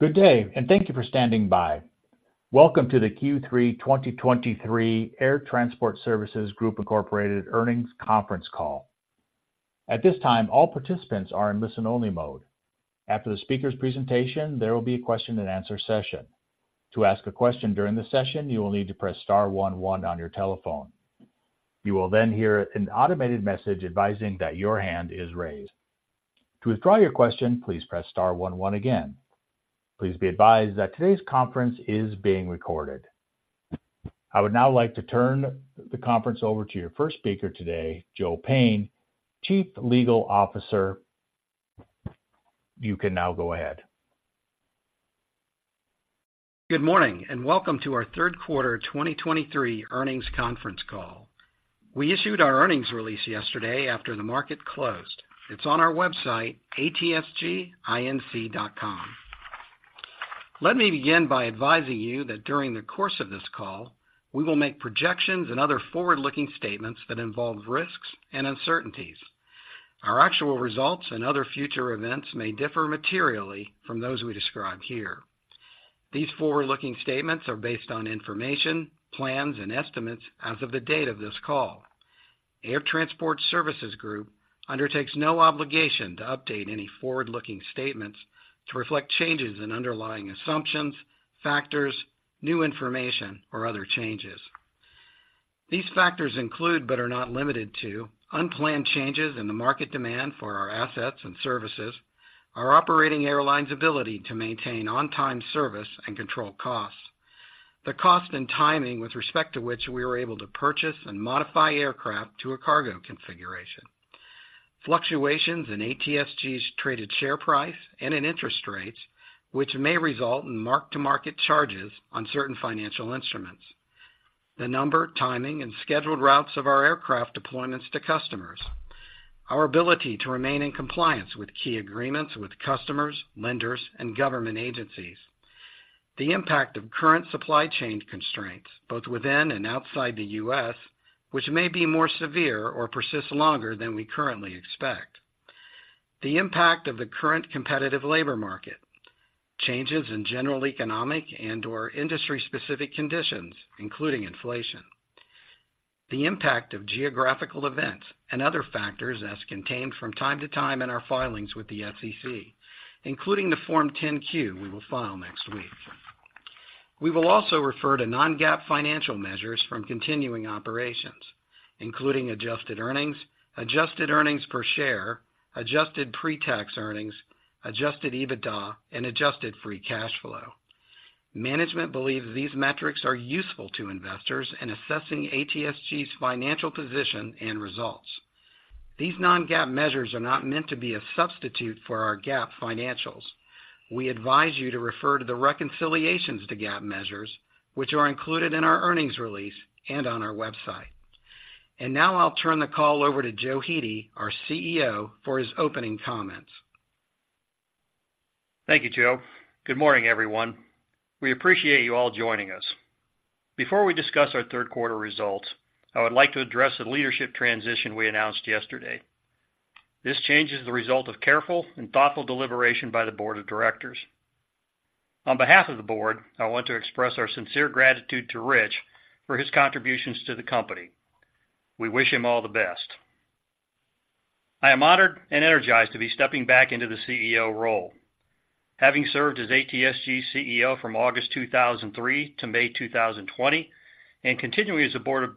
Good Day, and Thank You for standing by. Welcome to the Q3 2023 Air Transport Services Group Incorporated Earnings Conference Call. At this time, all participants are in listen-only mode. After the speaker's presentation, there will be a question-and-answer session. To ask a question during the session, you will need to press star one one on your telephone. You will then hear an automated message advising that your hand is raised. To withdraw your question, please press star one one again. Please be advised that today's conference is being recorded. I would now like to turn the conference over to your first speaker today, Joe Payne, Chief Legal Officer. You can now go ahead. Good Morning, and Welcome to our Q3 2023 earnings conference call. We issued our earnings release yesterday after the market closed. It's on our website, atsginc.com. Let me begin by advising you that during the course of this call, we will make projections and other forward-looking statements that involve risks and uncertainties. Our actual results and other future events may differ materially from those we describe here. These forward-looking statements are based on information, plans, and estimates as of the date of this call. Air Transport Services Group undertakes no obligation to update any forward-looking statements to reflect changes in underlying assumptions, factors, new information or other changes. These factors include, but are not limited to, unplanned changes in the market demand for our assets and services, our operating airline's ability to maintain on-time service and control costs, the cost and timing with respect to which we are able to purchase and modify aircraft to a cargo configuration. Fluctuations in ATSG's traded share price and in interest rates, which may result in mark-to-market charges on certain financial instruments. The number, timing, and scheduled routes of our aircraft deployments to customers. Our ability to remain in compliance with key agreements with customers, lenders, and government agencies. The impact of current supply chain constraints, both within and outside the U.S., which may be more severe or persist longer than we currently expect. The impact of the current competitive labor market, changes in general economic and/or industry-specific conditions, including inflation, the impact of geographical events and other factors as contained from time to time in our filings with the SEC, including the Form 10-Q we will file next week. We will also refer to Non-GAAP financial measures from continuing operations, including adjusted earnings, adjusted earnings per share, adjusted pre-tax earnings, adjusted EBITDA, and adjusted Free Cash Flow. Management believes these metrics are useful to investors in assessing ATSG's financial position and results. These Non-GAAP measures are not meant to be a substitute for our GAAP financials. We advise you to refer to the reconciliations to GAAP measures, which are included in our earnings release and on our website. And now I'll turn the call over to Joe Hete, our CEO, for his opening comments. Thank you, Joe. Good morning, Everyone. We appreciate you all joining us. Before we discuss our Q3 results, I would like to address the leadership transition we announced yesterday. This change is the result of careful and thoughtful deliberation by the board of directors. On behalf of the board, I want to express our sincere gratitude to Rich for his contributions to the company. We wish him all the best. I am honored and energized to be stepping back into the CEO role. Having served as ATSG CEO from August 2003 to May 2020, and continuing as a board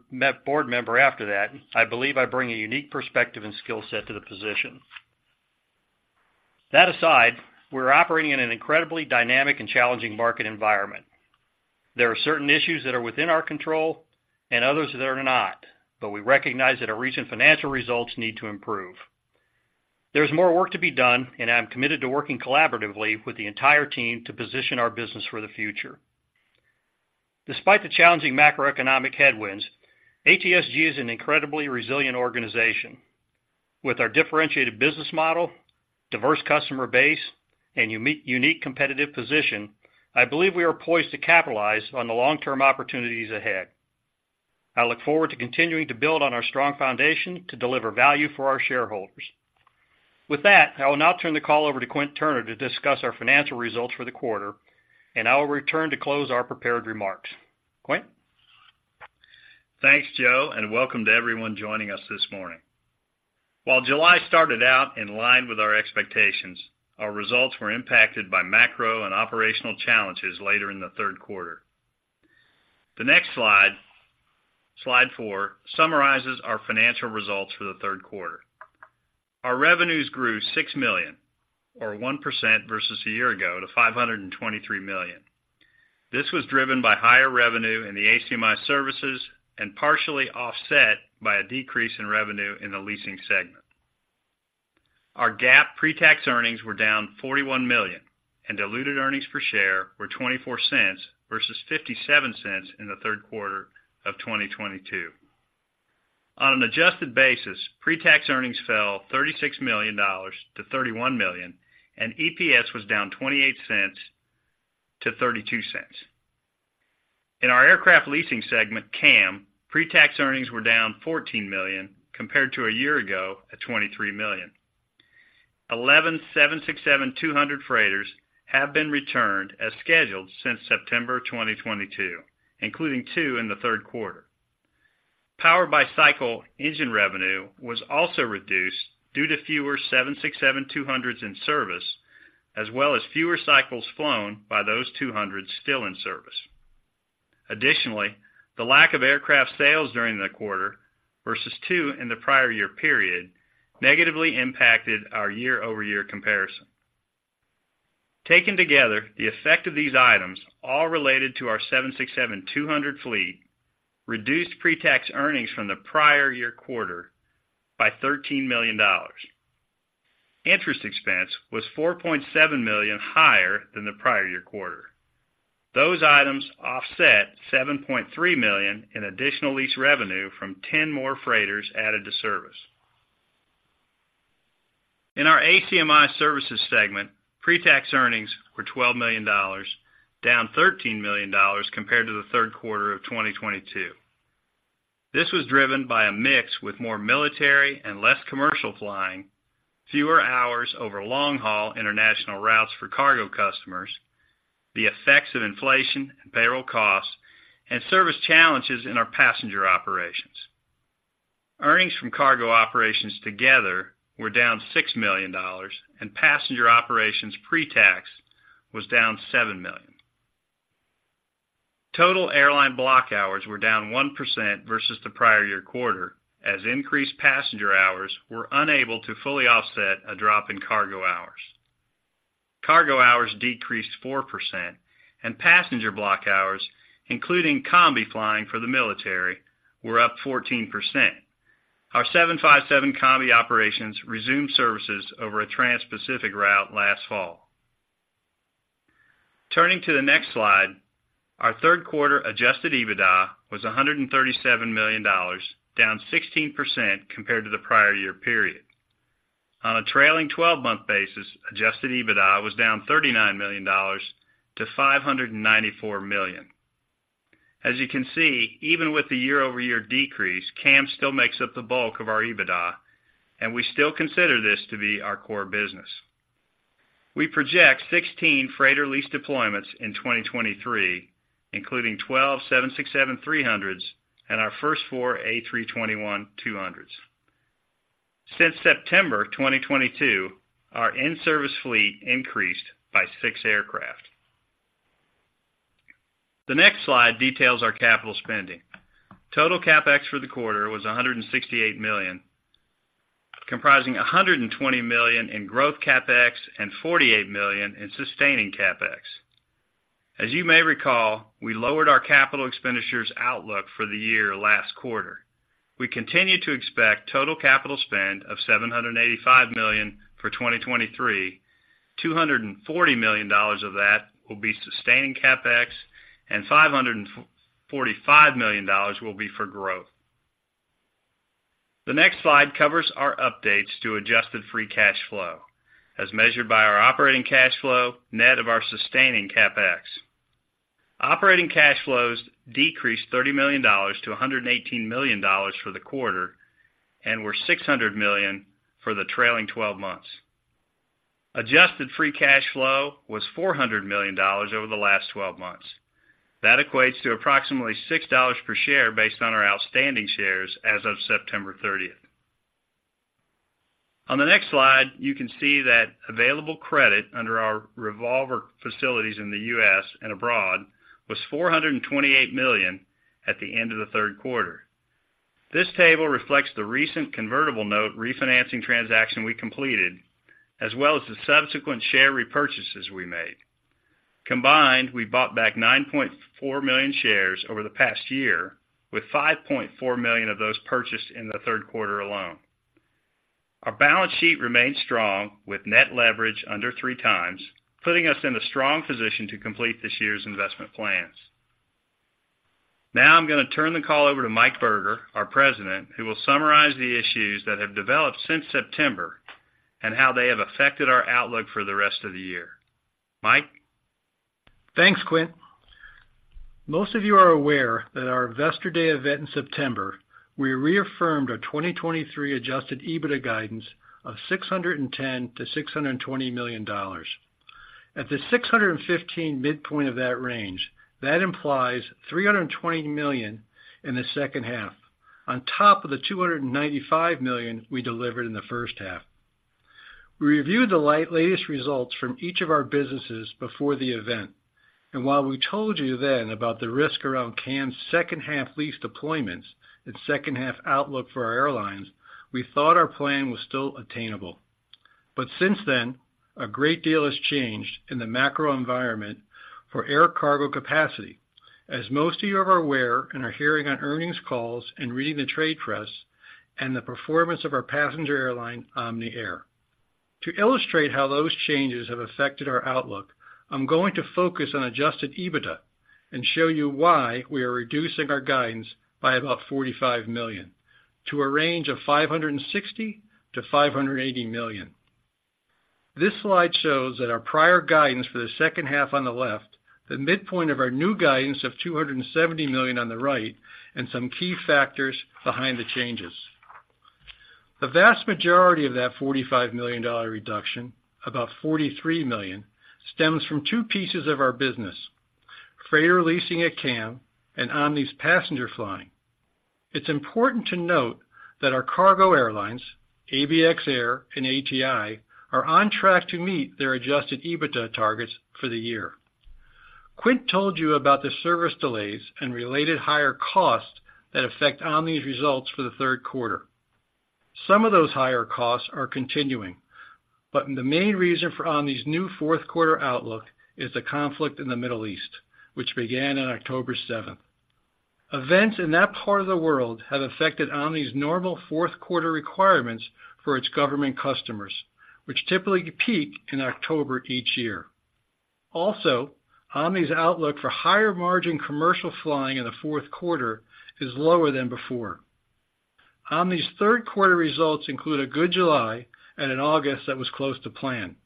member after that, I believe I bring a unique perspective and skill set to the position. That aside, we're operating in an incredibly dynamic and challenging market environment. There are certain issues that are within our control and others that are not, but we recognize that our recent financial results need to improve. There's more work to be done, and I'm committed to working collaboratively with the entire team to position our business for the future. Despite the challenging macroeconomic headwinds, ATSG is an incredibly resilient organization. With our differentiated business model, diverse customer base, and unique, unique competitive position, I believe we are poised to capitalize on the long-term opportunities ahead. I look forward to continuing to build on our strong foundation to deliver value for our shareholders. With that, I will now turn the call over to Quint Turner to discuss our financial results for the quarter, and I will return to close our prepared remarks. Quint? Thanks, Joe, and welcome to everyone joining us this morning. While July started out in line with our expectations, our results were impacted by macro and operational challenges later in the Q3. The next slide, slide four, summarizes our financial results for the Q3. Our revenues grew $6 million or 1% versus a year ago to $523 million. This was driven by higher revenue in the ACMI services and partially offset by a decrease in revenue in the leasing segment. Our GAAP pre-tax earnings were down $41 million, and diluted earnings per share were $0.24 versus $0.57 in the Q3 of 2022. On an adjusted basis, pretax earnings fell $36 million to $31 million, and EPS was down $0.28 to $0.32. In our Aircraft Leasing segment, CAM, pretax earnings were down $14 million compared to a year ago at $23 million. Eleven 767-200 freighters have been returned as scheduled since September 2022, including two in the Q3. Power by Cycle engine revenue was also reduced due to fewer 767-200s in service, as well as fewer cycles flown by those 200s still in service. Additionally, the lack of aircraft sales during the quarter, versus two in the prior year period, negatively impacted our year-over-year comparison. Taken together, the effect of these items, all related to our 767-200 fleet, reduced pretax earnings from the prior year quarter by $13 million. Interest expense was $4.7 million higher than the prior year quarter. Those items offset $7.3 million in additional lease revenue from 10 more freighters added to service. In our ACMI services segment, pretax earnings were $12 million, down $13 million compared to the Q3 of 2022. This was driven by a mix with more military and less commercial flying, fewer hours over long-haul international routes for cargo customers, the effects of inflation and payroll costs, and service challenges in our passenger operations. Earnings from Cargo operations together were down $6 million, and passenger operations pretax was down $7 million. Total airline block hours were down 1% versus the prior year quarter, as increased passenger hours were unable to fully offset a drop in cargo hours. Cargo hours decreased 4%, and passenger block hours, including Combi flying for the military, were up 14%. Our 757 Combi operations resumed services over a transpacific route last fall. Turning to the next slide, our Q3 adjusted EBITDA was $137 million, down 16% compared to the prior year period. On a trailing 12 month basis, adjusted EBITDA was down $39 million to $594 million. As you can see, even with the year-over-year decrease, CAM still makes up the bulk of our EBITDA, and we still consider this to be our core business. We project 16 freighter lease deployments in 2023, including twelve 767-300s and our first four A321-200s. Since September 2022, our in-service fleet increased by six aircraft. The next slide details our capital spending. Total CapEx for the quarter was $168 million, comprising $120 million in growth CapEx and $48 million in sustaining CapEx. As you may recall, we lowered our capital expenditures outlook for the year last quarter. We continue to expect total capital spend of $785 million for 2023, $240 million of that will be sustaining CapEx, and $545 million will be for growth. The next slide covers our updates to adjusted free cash flow, as measured by our operating cash flow, net of our sustaining CapEx. Operating cash flows decreased $30 million to $118 million for the quarter and were $600 million for the trailing 12 months. Adjusted free cash flow was $400 million over the last 12 months. That equates to approximately $6 per share based on our outstanding shares as of September 30th. On the next slide, you can see that available credit under our revolver facilities in the U.S. and abroad was $428 million at the end of the Q3. This table reflects the recent convertible note refinancing transaction we completed, as well as the subsequent share repurchases we made. Combined, we bought back 9.4 million shares over the past year, with 5.4 million of those purchased in the Q3 alone. Our balance sheet remains strong, with net leverage under 3 times, putting us in a strong position to complete this year's investment plans. Now I'm going to turn the call over to Mike Berger, our President, who will summarize the issues that have developed since September and how they have affected our outlook for the rest of the year. Mike? Thanks, Quint. Most of you are aware that, at our Investor Day event in September, we reaffirmed our 2023 adjusted EBITDA guidance of $610 million-$620 million. At the 615 midpoint of that range, that implies $320 million in the H2, on top of the $295 million we delivered in the H1. We reviewed the latest results from each of our businesses before the event, and while we told you then about the risk around CAM's second half lease deployments and second half outlook for our airlines, we thought our plan was still attainable. But since then, a great deal has changed in the macro environment for Air Cargo capacity, as most of you are aware and are hearing on earnings calls and reading the trade press, and the performance of our passenger airline, Omni Air. To illustrate how those changes have affected our outlook, I'm going to focus on adjusted EBITDA and show you why we are reducing our guidance by about $45 million to a range of $560 million-$580 million. This slide shows that our prior guidance for the H2 on the left, the midpoint of our new guidance of $270 million on the right, and some key factors behind the changes. The vast majority of that $45 million reduction, about $43 million, stems from two pieces of our business: freighter leasing at CAM and Omni's passenger flying. It's important to note that our cargo airlines, ABX Air and ATI, are on track to meet their adjusted EBITDA targets for the year. Quint told you about the service delays and related higher costs that affect Omni's results for the Q3. Some of those higher costs are continuing, but the main reason for Omni's new Q4 outlook is the conflict in the Middle East, which began on October 7. Events in that part of the world have affected Omni's normal Q4 requirements for its government customers, which typically peak in October each year. Also, Omni's outlook for higher-margin commercial flying in the Q4 is lower than before. Omni's Q3 results include a good July and an August that was close to plan.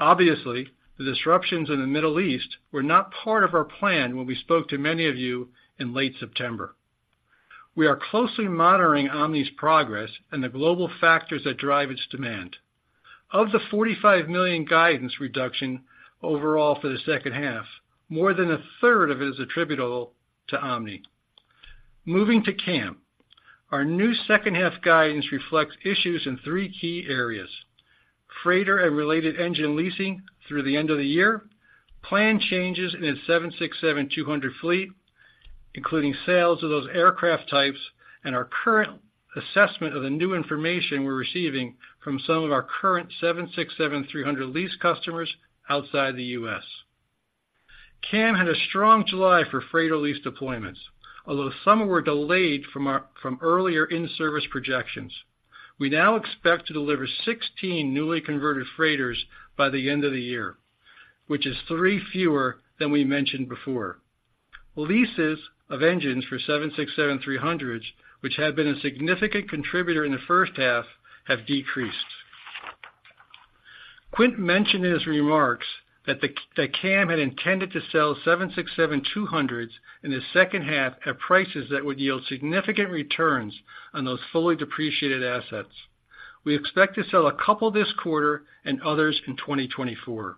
Obviously, the disruptions in the Middle East were not part of our plan when we spoke to many of you in late September. We are closely monitoring Omni's progress and the global factors that drive its demand. Of the $45 million guidance reduction overall for the H2, more than a third of it is attributable to Omni. Moving to CAM, our new second half guidance reflects issues in three key areas: freighter and related engine leasing through the end of the year, plan changes in its 767-200 fleet, including sales of those aircraft types, and our current assessment of the new information we're receiving from some of our current 767-300 lease customers outside the U.S. CAM had a strong July for freighter lease deployments, although some were delayed from our from earlier in-service projections. We now expect to deliver 16 newly converted freighters by the end of the year, which is 3 fewer than we mentioned before. Leases of engines for 767-300s, which had been a significant contributor in the H1, have decreased. Quint mentioned in his remarks that CAM had intended to sell 767-200s in the H2 at prices that would yield significant returns on those fully depreciated assets. We expect to sell a couple this quarter and others in 2024.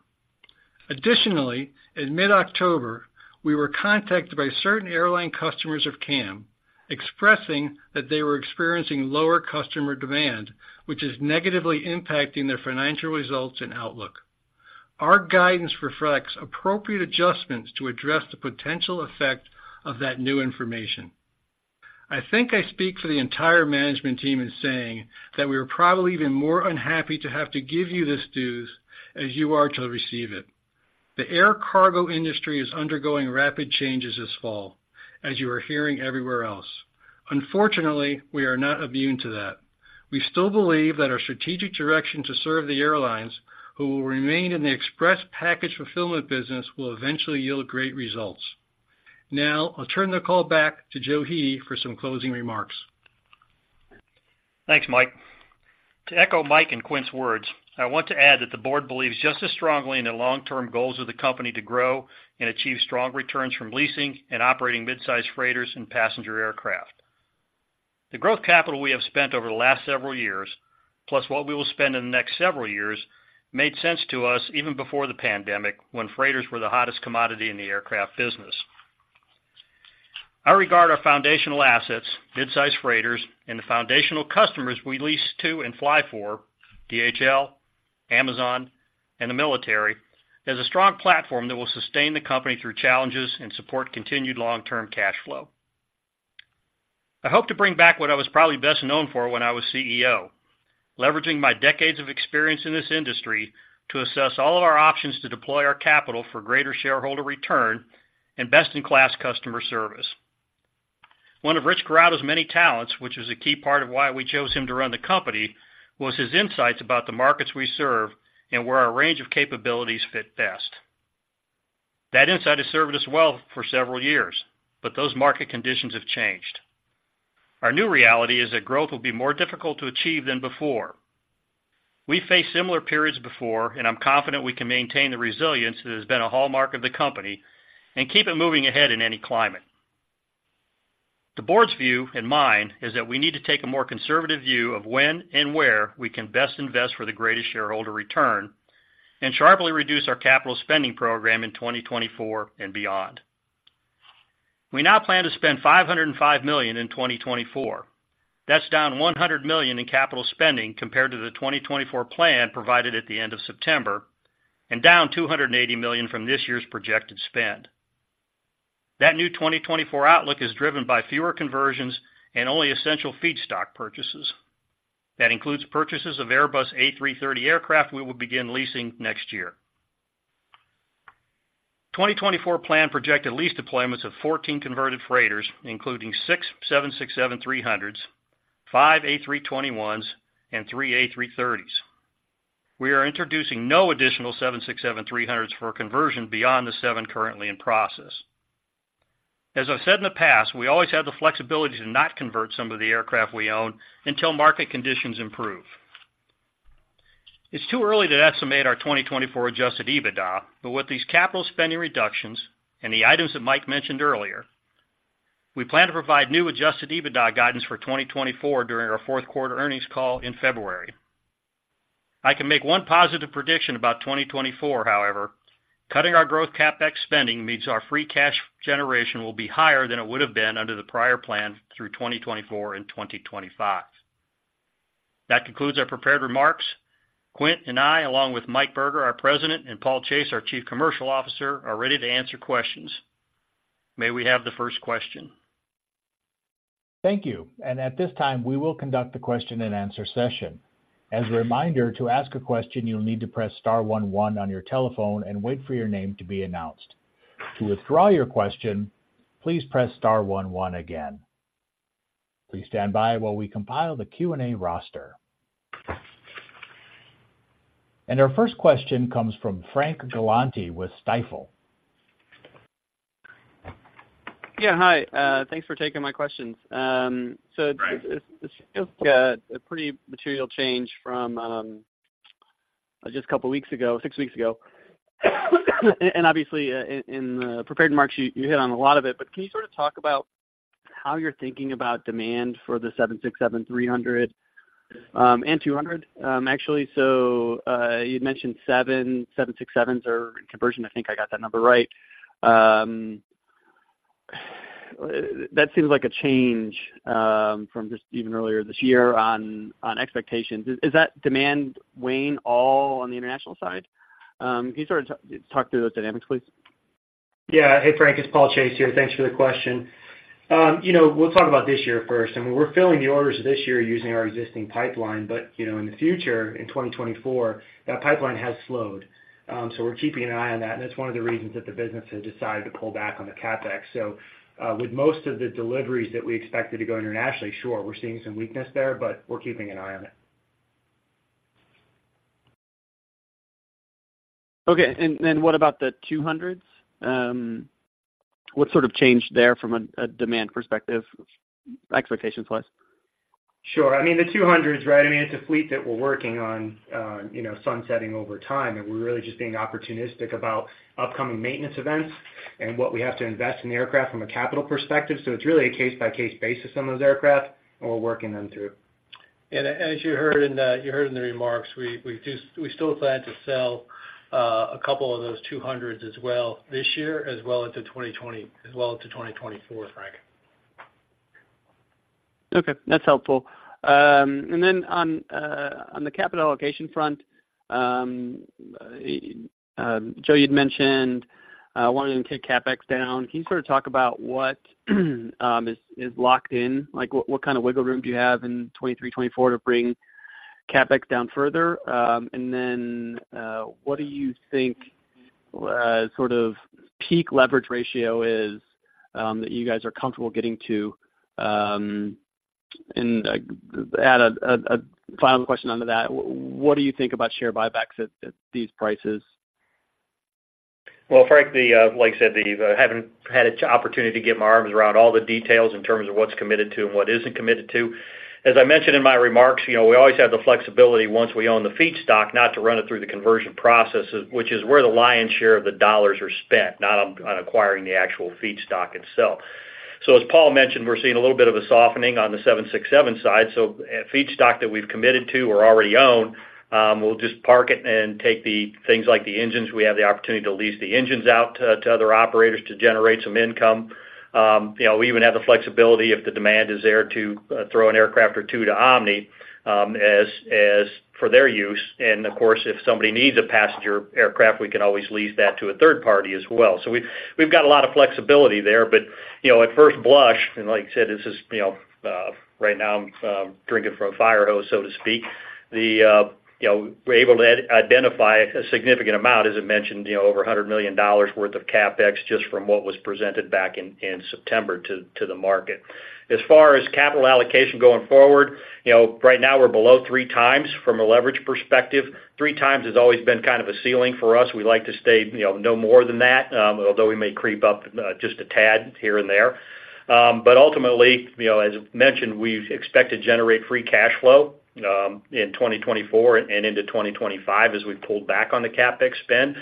Additionally, in mid-October, we were contacted by certain airline customers of CAM, expressing that they were experiencing lower customer demand, which is negatively impacting their financial results and outlook. Our guidance reflects appropriate adjustments to address the potential effect of that new information. I think I speak for the entire management team in saying that we are probably even more unhappy to have to give you this news as you are to receive it. The air cargo industry is undergoing rapid changes this fall, as you are hearing everywhere else. Unfortunately, we are not immune to that. We still believe that our strategic direction to serve the airlines, who will remain in the express package fulfillment business, will eventually yield great results. Now, I'll turn the call back to Joe Hete for some closing remarks. Thanks, Mike. To echo Mike and Quint's words, I want to add that the board believes just as strongly in the long-term goals of the company to grow and achieve strong returns from leasing and operating midsize freighters and passenger aircraft. The growth capital we have spent over the last several years, plus what we will spend in the next several years, made sense to us even before the pandemic, when freighters were the hottest commodity in the aircraft business. I regard our foundational assets, midsize freighters and the foundational customers we lease to and fly for DHL, Amazon, and the Military, as a strong platform that will sustain the company through challenges and support continued long-term cash flow. I hope to bring back what I was probably best known for when I was CEO, leveraging my decades of experience in this industry to assess all of our options to deploy our capital for greater shareholder return and best-in-class customer service. One of Rich Corrado's many talents, which was a key part of why we chose him to run the company, was his insights about the markets we serve and where our range of capabilities fit best. That insight has served us well for several years, but those market conditions have changed. Our new reality is that growth will be more difficult to achieve than before. We've faced similar periods before, and I'm confident we can maintain the resilience that has been a hallmark of the company and keep it moving ahead in any climate. The board's view and mine is that we need to take a more conservative view of when and where we can best invest for the greatest shareholder return and sharply reduce our capital spending program in 2024 and beyond. We now plan to spend $505 million in 2024. That's down $100 million in capital spending compared to the 2024 plan provided at the end of September and down $280 million from this year's projected spend. That new 2024 outlook is driven by fewer conversions and only essential feedstock purchases. That includes purchases of Airbus A330 aircraft we will begin leasing next year. 2024 plan projected lease deployments of 14 converted freighters, including six 767-300s, five A321s, and three A330s. We are introducing no additional 767-300s for conversion beyond the seven currently in process. As I've said in the past, we always have the flexibility to not convert some of the aircraft we own until market conditions improve. It's too early to estimate our 2024 adjusted EBITDA, but with these capital spending reductions and the items that Mike mentioned earlier, we plan to provide new adjusted EBITDA guidance for 2024 during our Q4 earnings call in February. I can make one positive prediction about 2024, however, cutting our growth CapEx spending means our free cash generation will be higher than it would have been under the prior plan through 2024 and 2025. That concludes our prepared remarks. Quint and I, along with Mike Berger, our President, and Paul Chase, our Chief Commercial Officer, are ready to answer questions. May we have the first question? Thank you. At this time, we will conduct the Question-and-Answer session. As a reminder, to ask a question, you'll need to press star one one on your telephone and wait for your name to be announced. To withdraw your question, please press star one one again. Please stand by while we compile the Q&A roster. Our first question comes from Frank Galanti with Stifel. Yeah, hi, thanks for taking my questions. So- Right. This is a pretty material change from just a couple of weeks ago, six weeks ago. And obviously, in the prepared remarks, you hit on a lot of it, but can you sort of talk about how you're thinking about demand for the 767-300 and 200? Actually, so, you'd mentioned 77 767s are in conversion. I think I got that number right. That seems like a change from just even earlier this year on expectations. Is that demand waning all on the international side? Can you sort of talk through those dynamics, please? Yeah. Hey, Frank, it's Paul Chase here. Thanks for the question. You know, we'll talk about this year first, and we're filling the orders this year using our existing pipeline, but, you know, in the future, in 2024, that pipeline has slowed. So we're keeping an eye on that, and that's one of the reasons that the business has decided to pull back on the CapEx. So, with most of the deliveries that we expected to go internationally, sure, we're seeing some weakness there, but we're keeping an eye on it. Okay, and what about the 200? What sort of changed there from a demand perspective, expectations-wise? Sure. I mean, the 200s, right, I mean, it's a fleet that we're working on, you know, sunsetting over time, and we're really just being opportunistic about upcoming maintenance events and what we have to invest in the aircraft from a capital perspective. So it's really a case-by-case basis on those aircraft, and we're working them through. As you heard in the remarks, we still plan to sell a couple of those 200 as well this year, as well into 2024, Frank. Okay, that's helpful. And then on the capital allocation front, Joe, you'd mentioned wanting to take CapEx down. Can you sort of talk about what is locked in? Like, what kind of wiggle room do you have in 2023, 2024 to bring CapEx down further? And then, what do you think sort of peak leverage ratio is that you guys are comfortable getting to? And add a final question onto that, what do you think about share buybacks at these prices? Well, Frank, like I said, I haven't had an opportunity to get my arms around all the details in terms of what's committed to and what isn't committed to. As I mentioned in my remarks, you know, we always have the flexibility once we own the feedstock, not to run it through the conversion process, which is where the lion's share of the dollars are spent, not on acquiring the actual feedstock itself. So as Paul mentioned, we're seeing a little bit of a softening on the 767 side. So, feedstock that we've committed to or already own, we'll just park it and take the things like the engines. We have the opportunity to lease the engines out to other operators to generate some income. You know, we even have the flexibility, if the demand is there, to throw an aircraft or two to Omni, as for their use. And of course, if somebody needs a passenger aircraft, we can always lease that to a third party as well. So we've got a lot of flexibility there, but you know, at first blush, and like I said, this is you know, right now, I'm drinking from a fire hose, so to speak. You know, we're able to identify a significant amount, as I mentioned, over $100 million worth of CapEx just from what was presented back in September to the market. As far as capital allocation going forward, you know, right now we're below three times from a leverage perspective. Three times has always been kind of a ceiling for us. We like to stay, you know, no more than that, although we may creep up just a tad here and there. But ultimately, you know, as mentioned, we've expected to generate free cash flow in 2024 and into 2025, as we've pulled back on the CapEx spend.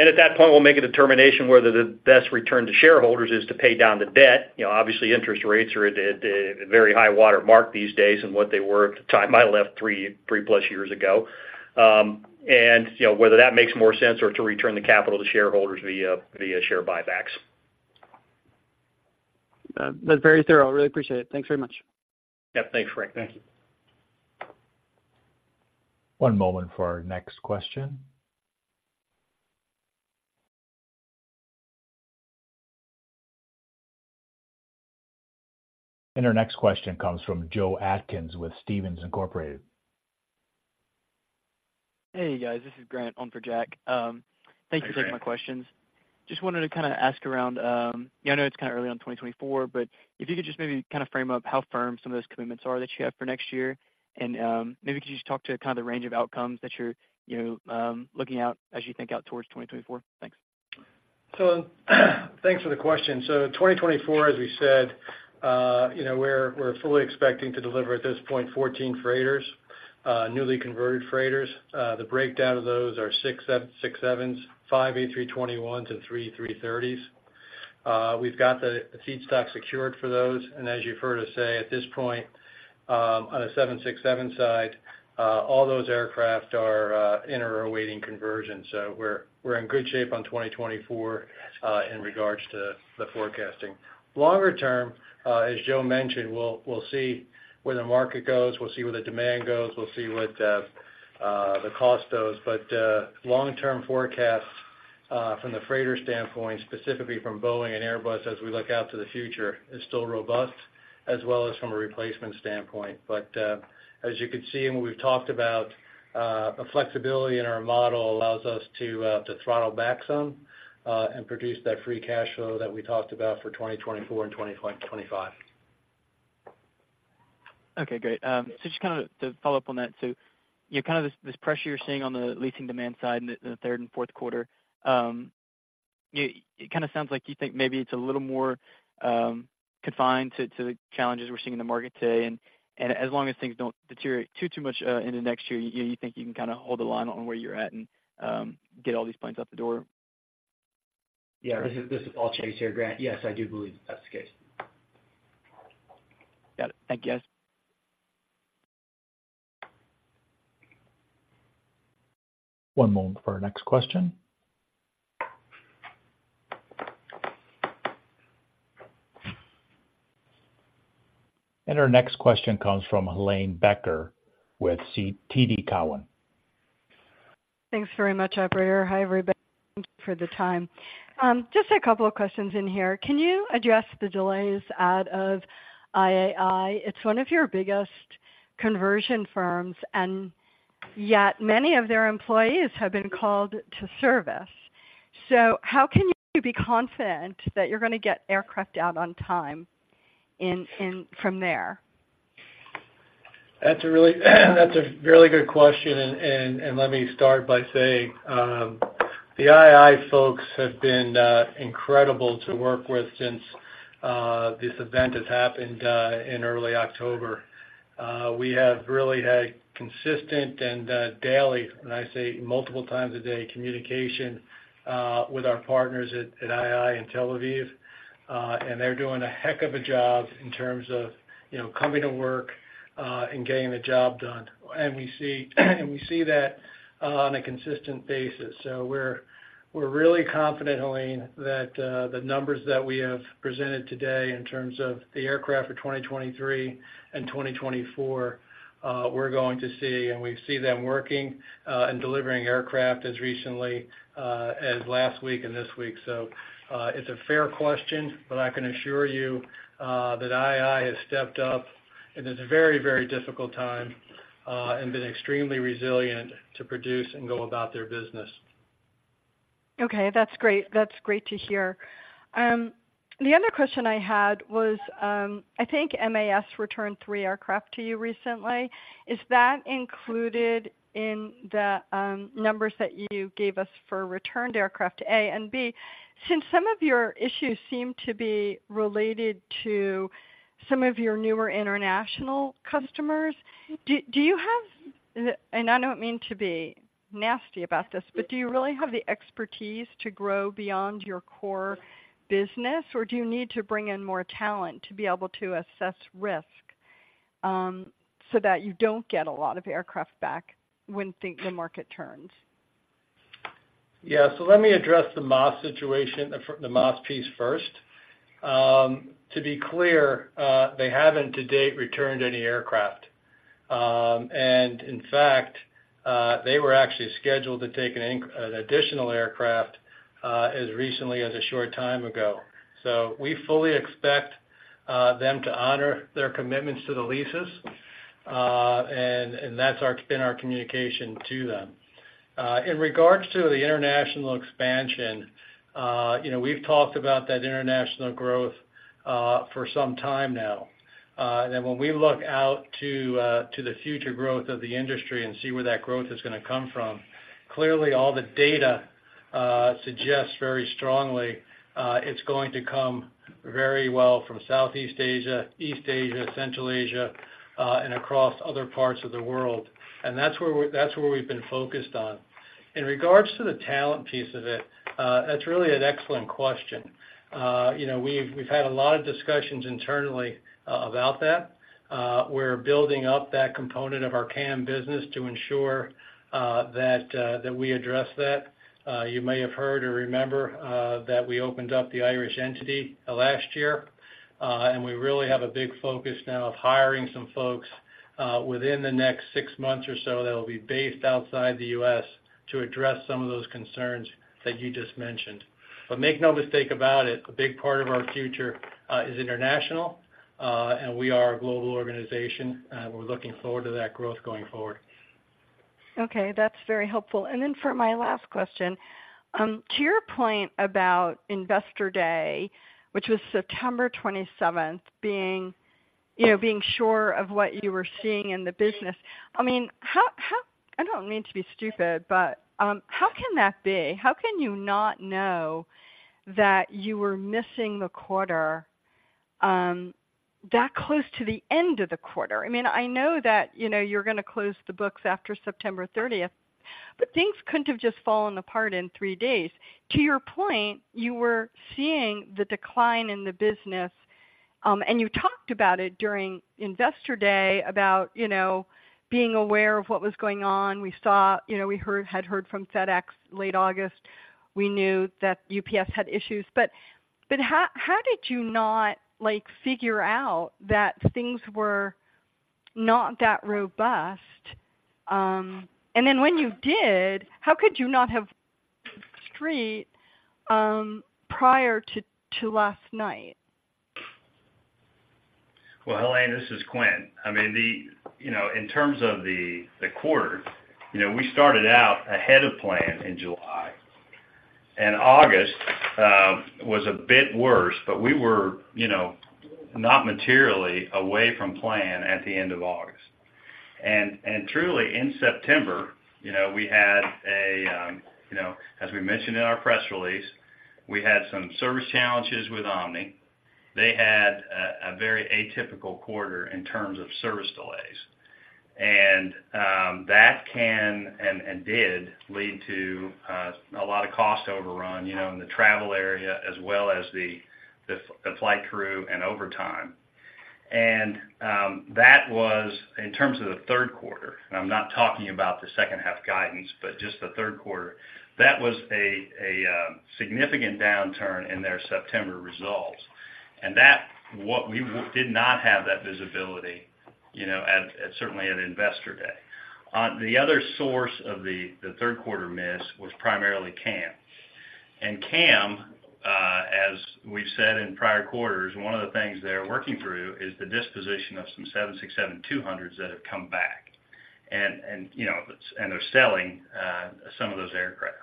And at that point, we'll make a determination whether the best return to shareholders is to pay down the debt. You know, obviously, interest rates are at a very high watermark these days than what they were at the time I left 3+ years ago. And, you know, whether that makes more sense or to return the capital to shareholders via share buybacks. That's very thorough. I really appreciate it. Thanks very much. Yep. Thanks, Frank. Thank you. One moment for our next question. Our next question comes from Jack Atkins, with Stephens Incorporated. Hey, guys, this is Grant on for Jack. Thank you for taking my questions. Hey, Grant. Just wanted to kind of ask around. I know it's kind of early on in 2024, but if you could just maybe kind of frame up how firm some of those commitments are that you have for next year, and maybe could you just talk to kind of the range of outcomes that you're, you know, looking out, as you think out towards 2024? Thanks. So Thanks for the Question. So 2024, as we said, you know, we're fully expecting to deliver at this point, 14 freighters, Newly converted freighters. The breakdown of those are six 767s, five A321s, and three 330s. We've got the feedstock secured for those, and as you've heard us say, at this point, on a 767 side, all those aircraft are in or awaiting conversion. So we're in good shape on 2024, in regards to the forecasting. Longer term, as Joe mentioned, we'll see where the market goes. We'll see where the demand goes. We'll see what the cost goes. But, long-term forecasts, from the freighter standpoint, specifically from Boeing and Airbus, as we look out to the future, is still robust, as well as from a replacement standpoint. But, as you can see, and we've talked about, the flexibility in our model allows us to, to throttle back some, and produce that free cash flow that we talked about for 2024 and 2025. Okay, great. So just kind of to follow up on that, so, you know, kind of this, this pressure you're seeing on the leasing demand side in the, the third and fourth quarter, it kind of sounds like you think maybe it's a little more confined to, to the challenges we're seeing in the market today, and as long as things don't deteriorate too much in the next year, you think you can kind of hold the line on where you're at and get all these planes out the door? Yeah, this is, this is Paul Chase here, Grant. Yes, I do believe that's the case. Got it. Thank you, guys. One moment for our next question. Our next question comes from Helane Becker with TD Cowen. Thanks very much, operator. Hi, everybody, for the time. Just a couple of questions in here. Can you address the delays out of IAI? It's one of your biggest conversion firms, and yet many of their employees have been called to service. So how can you be confident that you're going to get aircraft out on time in from there? That's a really good question, and let me start by saying, the IAI folks have been incredible to work with since this event has happened in early October. We have really had consistent and daily, when I say multiple times a day, communication with our partners at IAI in Tel Aviv, and they're doing a heck of a job in terms of, you know, coming to work and getting the job done and we see, and we see that on a consistent basis. So we're really confident, Helane, that the numbers that we have presented today in terms of the aircraft for 2023 and 2024, we're going to see, and we see them working and delivering aircraft as recently as last week and this week. So, it's a fair question, but I can assure you that IAI has stepped up in this very, very difficult time, and been extremely resilient to produce and go about their business. Okay, that's great. That's great to hear. The other question I had was, I think MasAir returned three aircraft to you recently. Is that included in the numbers that you gave us for returned aircraft, A? And B, since some of your issues seem to be related to some of your newer international customers, do, do you have, and I don't mean to be nasty about this, but do you really have the expertise to grow beyond your core business? Or do you need to bring in more talent to be able to access risk, so that you don't get a lot of aircraft back when think the market turns? Yeah, so let me address the MAS situation, the the MAS piece first. To be clear, they haven't to date returned any aircraft. And in fact, they were actually scheduled to take an additional aircraft as recently as a short time ago. So we fully expect them to honor their commitments to the leases, and that's been our communication to them. In regards to the international expansion, you know, we've talked about that international growth for some time now, and when we look out to the future growth of the industry and see where that growth is going to come from, clearly all the data suggests very strongly it's going to come very well from Southeast Asia, East Asia, Central Asia, and across other parts of the world. That's where we've been focused on. In regards to the talent piece of it, that's really an excellent question. You know, we've, we've had a lot of discussions internally about that. We're building up that component of our CAM business to ensure that we address that. You may have heard or remember that we opened up the Irish entity last year, and we really have a big focus now of hiring some folks within the next six months or so that will be based outside the U.S. to address some of those concerns that you just mentioned. But make no mistake about it, a big part of our future is international, and we are a global organization, and we're looking forward to that growth going forward. Okay, that's very helpful. Then for my last question, to your point about Investor Day, which was September 27th, being sure of what you were seeing in the business. I mean, how can that be? How can you not know that you were missing the quarter, that close to the end of the quarter? I mean, I know that, you know, you're gonna close the books after September 30th, but things couldn't have just fallen apart in three days. To your point, you were seeing the decline in the business, and you talked about it during Investor Day, about, you know, being aware of what was going on we saw, you know, we heard from FedEx, late August. We knew that UPS had issues, but how did you not, like, figure out that things were not that robust? And then when you did, how could you not have street prior to last night? Well, Helane, this is Quint. I mean, the, you know, in terms of the quarter, you know, we started out ahead of plan in July, and August was a bit worse, but we were, you know, not materially away from plan at the end of August. And truly, in September, you know, we had a, you know, as we mentioned in our press release, we had some service challenges with Omni. They had a very a typical quarter in terms of service delays. And that can and did lead to a lot of cost overrun, you know, in the travel area, as well as the flight crew and overtime. And that was in terms of the Q3, and I'm not talking about the H2 guidance, but just the Q3. That was a significant downturn in their September results. And that, what we did not have that visibility, you know, certainly at Investor Day. The other source of the Q3 miss was primarily CAM. And CAM, as we've said in prior quarters, one of the things they're working through is the disposition of some 767-200s that have come back. And, you know, they're selling some of those aircraft.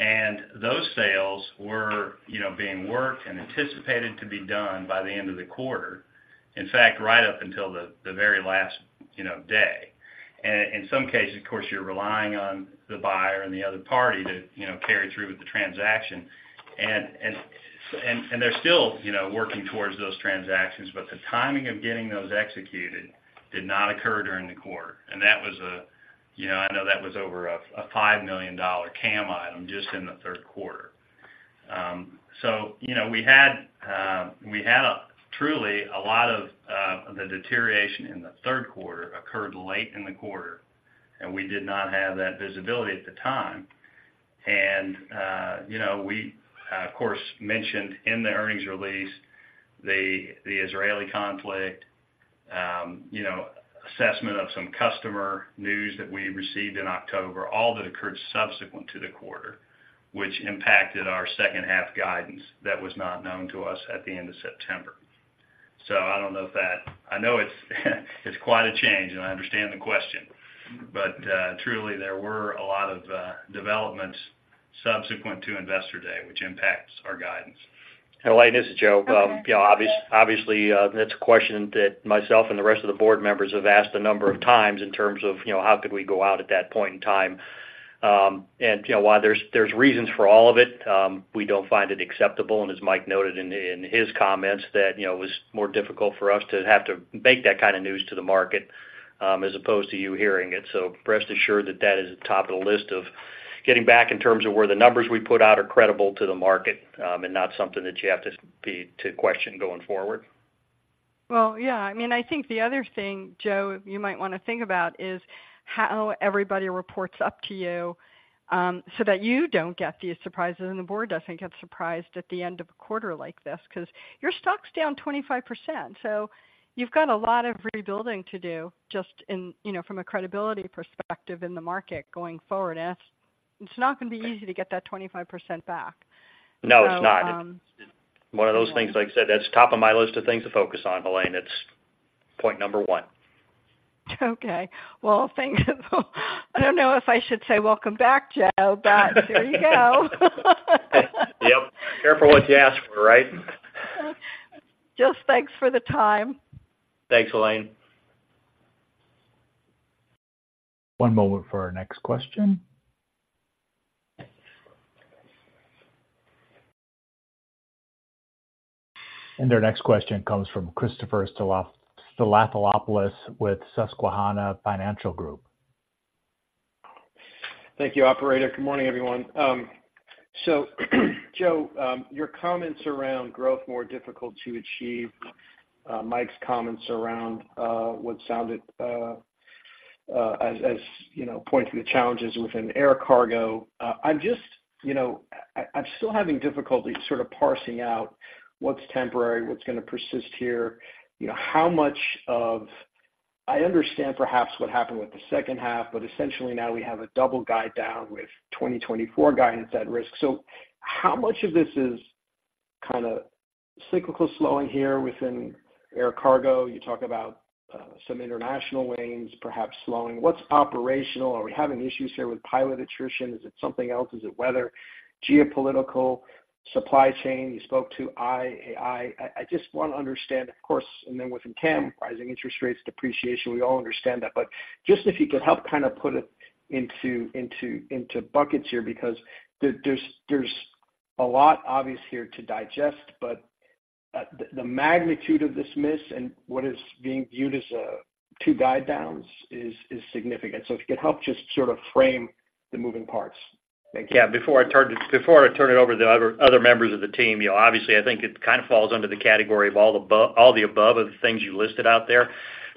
And those sales were, you know, being worked and anticipated to be done by the end of the quarter. In fact, right up until the very last, you know, day. And in some cases, of course, you're relying on the buyer and the other party to, you know, carry through with the transaction. They're still, you know, working towards those transactions, but the timing of getting those executed did not occur during the quarter. And that was a, you know, I know that was over a $5 million CAM item just in the Q3. So, you know, we had, we had a truly, a lot of, the deterioration in the Q3 occurred late in the quarter, and we did not have that visibility at the time. And, you know, we, of course, mentioned in the earnings release, the, the Israeli conflict, you know, assessment of some customer news that we received in October, all that occurred subsequent to the quarter, which impacted our H2 guidance that was not known to us at the end of September. So I don't know if that... I know it's, it's quite a change, and I understand the question, but, truly, there were a lot of, developments subsequent to Investor Day, which impacts our guidance. Elaine, this is Joe. You know, obviously, that's a question that myself and the rest of the board members have asked a number of times in terms of, you know, how could we go out at that point in time? And, you know, while there's reasons for all of it, we don't find it acceptable. And as Mike noted in his comments, that, you know, it was more difficult for us to have to make that kind of news to the market, as opposed to you hearing it. So rest assured that that is at the top of the list of getting back in terms of where the numbers we put out are credible to the market, and not something that you have to question going forward. Well, yeah. I mean, I think the other thing, Joe, you might wanna think about is how everybody reports up to you, so that you don't get these surprises, and the board doesn't get surprised at the end of a quarter like this, 'cause your stock's down 25%. So you've got a lot of rebuilding to do, just in, you know, from a credibility perspective in the market going forward. It's, it's not gonna be easy to get that 25% back. No, it's not. One of those things, like I said, that's top of my list of things to focus on, Helane. It's point number one. Okay. Well, thank you. I don't know if I should say Welcome back, Joe, but here you go. Yep. Careful what you ask for, right? Just thanks for the time. Thanks, Helane. One moment for our next question. Our next question comes from Christopher Stathopoulos, with Susquehanna Financial Group. Thank you, operator. Good morning, Everyone. So, Joe, your comments around growth more difficult to achieve, Mike's comments around, what sounded, as you know, pointing to the challenges within Air Cargo. I'm just, you know... I'm still having difficulty sort of parsing out what's temporary, what's gonna persist here, you know, how much of... I understand perhaps what happened with the H2, but essentially now we have a double guide down with 2024 guidance at risk. So how much of this is kind of cyclical slowing here within Air Cargo? You talk about- Some international lanes perhaps slowing. What's operational? Are we having issues here with pilot attrition? Is it something else? Is it weather, geopolitical, supply chain? You spoke to IAI. I just want to understand, of course, and then with CAM, rising interest rates, depreciation, we all understand that. But just if you could help kind of put it into buckets here, because there's a lot obvious here to digest, but the magnitude of this miss and what is being viewed as two guide downs is significant. So if you could help just sort of frame the moving parts. Thank you. Yeah, before I turn it over to the other members of the team, you know, obviously, I think it kind of falls under the category of all of the above of the things you listed out there.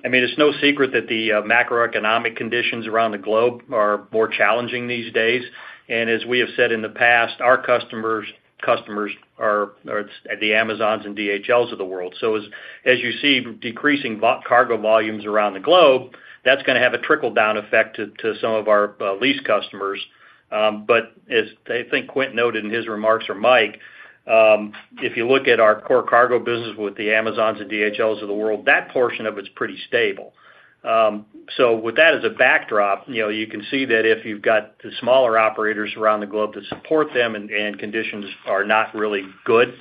I mean, it's no secret that the macroeconomic conditions around the globe are more challenging these days. And as we have said in the past, our customers' customers are the Amazons and DHLs of the world. So as you see decreasing cargo volumes around the globe, that's going to have a trickle-down effect to some of our lease customers. But as I think Quint noted in his remarks, or Mike, if you look at our core cargo business with the Amazons and DHLs of the world, that portion of it's pretty stable. So with that as a backdrop, you know, you can see that if you've got the smaller operators around the globe that support them, and conditions are not really good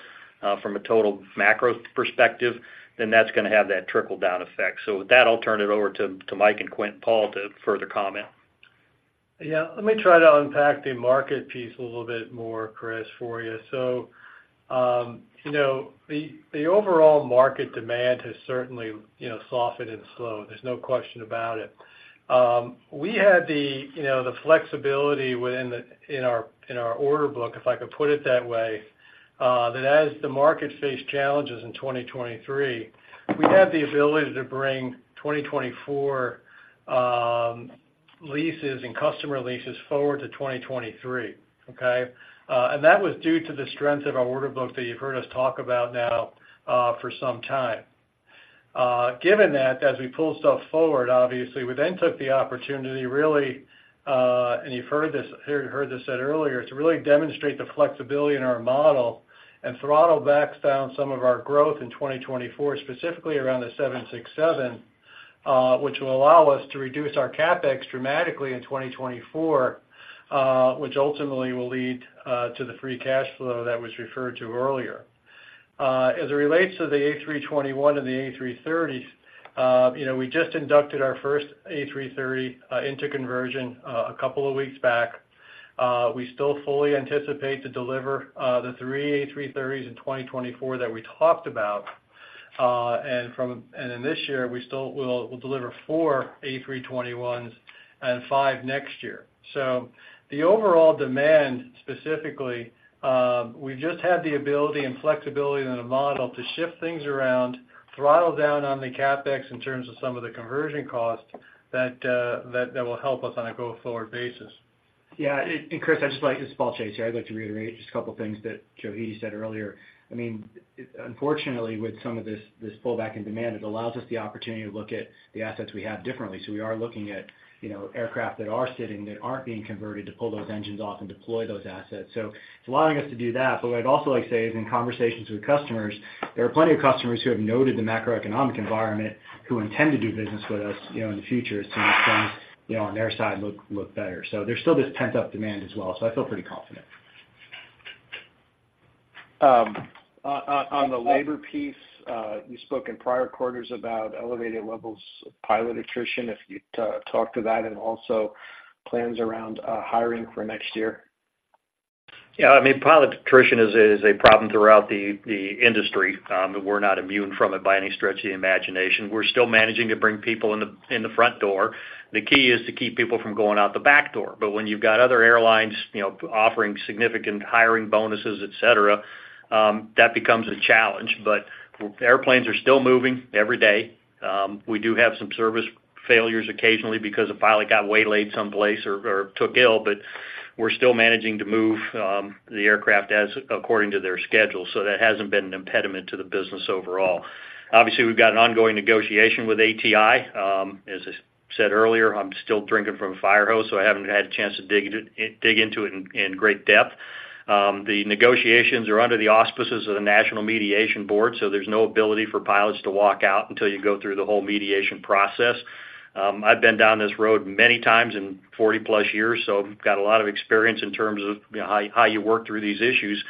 from a total macro perspective, then that's going to have that trickle-down effect. So with that, I'll turn it over to Mike, Quint, and Paul to further comment. Yeah, let me try to unpack the market piece a little bit more, Chris, for you. So, you know, the overall market demand has certainly, you know, softened and slowed. There's no question about it. We had, you know, the flexibility within our order book, if I could put it that way, that as the market faced challenges in 2023, we had the ability to bring 2024 leases and customer leases forward to 2023, okay? And that was due to the strength of our order book that you've heard us talk about now, for some time. Given that, as we pull stuff forward, obviously, we then took the opportunity really, and you've heard this, heard this said earlier, to really demonstrate the flexibility in our model and throttle back down some of our growth in 2024, specifically around the 767, which will allow us to reduce our CapEx dramatically in 2024, which ultimately will lead to the free cash flow that was referred to earlier. As it relates to the A321 and the A330s, you know, we just inducted our first A330 into conversion a couple of weeks back. We still fully anticipate to deliver the three A330s in 2024 that we talked about. And in this year, we still will, we'll deliver four A321s and five next year. So the overall demand, specifically, we've just had the ability and flexibility in the model to shift things around, throttle down on the CapEx in terms of some of the conversion costs that will help us on a go-forward basis. Yeah, and Chris, I'd just like... It's Paul Chase here. I'd like to reiterate just a couple of things that Joe said earlier. I mean, unfortunately, with some of this pullback in demand, it allows us the opportunity to look at the assets we have differently. So we are looking at, you know, aircraft that are sitting, that aren't being converted, to pull those engines off and deploy those assets. So it's allowing us to do that. But what I'd also like to say is, in conversations with customers, there are plenty of customers who have noted the macroeconomic environment, who intend to do business with us, you know, in the future, as some, you know, on their side look better. So there's still this pent-up demand as well, so I feel pretty confident. On the labor piece, you spoke in prior quarters about elevated levels of pilot attrition. If you'd talk to that and also plans around hiring for next year. Yeah, I mean, pilot attrition is a problem throughout the industry, and we're not immune from it by any stretch of the imagination. We're still managing to bring people in the front door. The key is to keep people from going out the back door. But when you've got other airlines, you know, offering significant hiring bonuses, exc, that becomes a challenge. But airplanes are still moving every day. We do have some service failures occasionally because a pilot got waylaid someplace or took ill, but we're still managing to move the aircraft as according to their schedule, so that hasn't been an impediment to the business overall. Obviously, we've got an ongoing negotiation with ATI. As I said earlier, I'm still drinking from a fire hose, so I haven't had a chance to dig into it in great depth. The negotiations are under the auspices of the National Mediation Board, so there's no ability for pilots to walk out until you go through the whole mediation process. I've been down this road many times in 40+ years, so I've got a lot of experience in terms of, you know, how you work through these issues.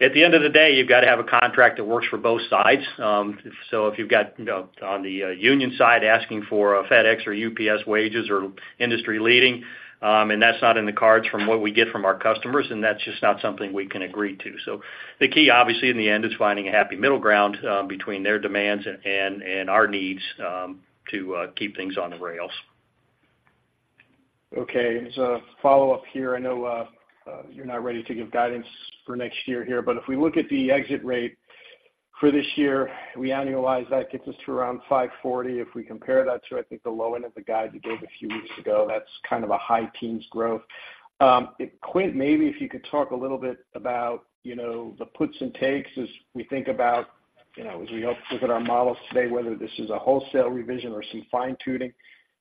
At the end of the day, you've got to have a contract that works for both sides. So if you've got, you know, on the union side asking for FedEx or UPS wages or industry-leading, and that's not in the cards from what we get from our customers, and that's just not something we can agree to. So the key, obviously, in the end, is finding a happy middle ground between their demands and our needs to keep things on the rails. Okay. As a follow-up here, I know you're not ready to give guidance for next year here, but if we look at the exit rate for this year, we annualize that, gets us to around $540. If we compare that to, I think, the low end of the guide you gave a few weeks ago, that's kind of a high teens growth. Quint, maybe if you could talk a little bit about, you know, the puts and takes as we think about, you know, as we help look at our models today, whether this is a wholesale revision or some fine-tuning.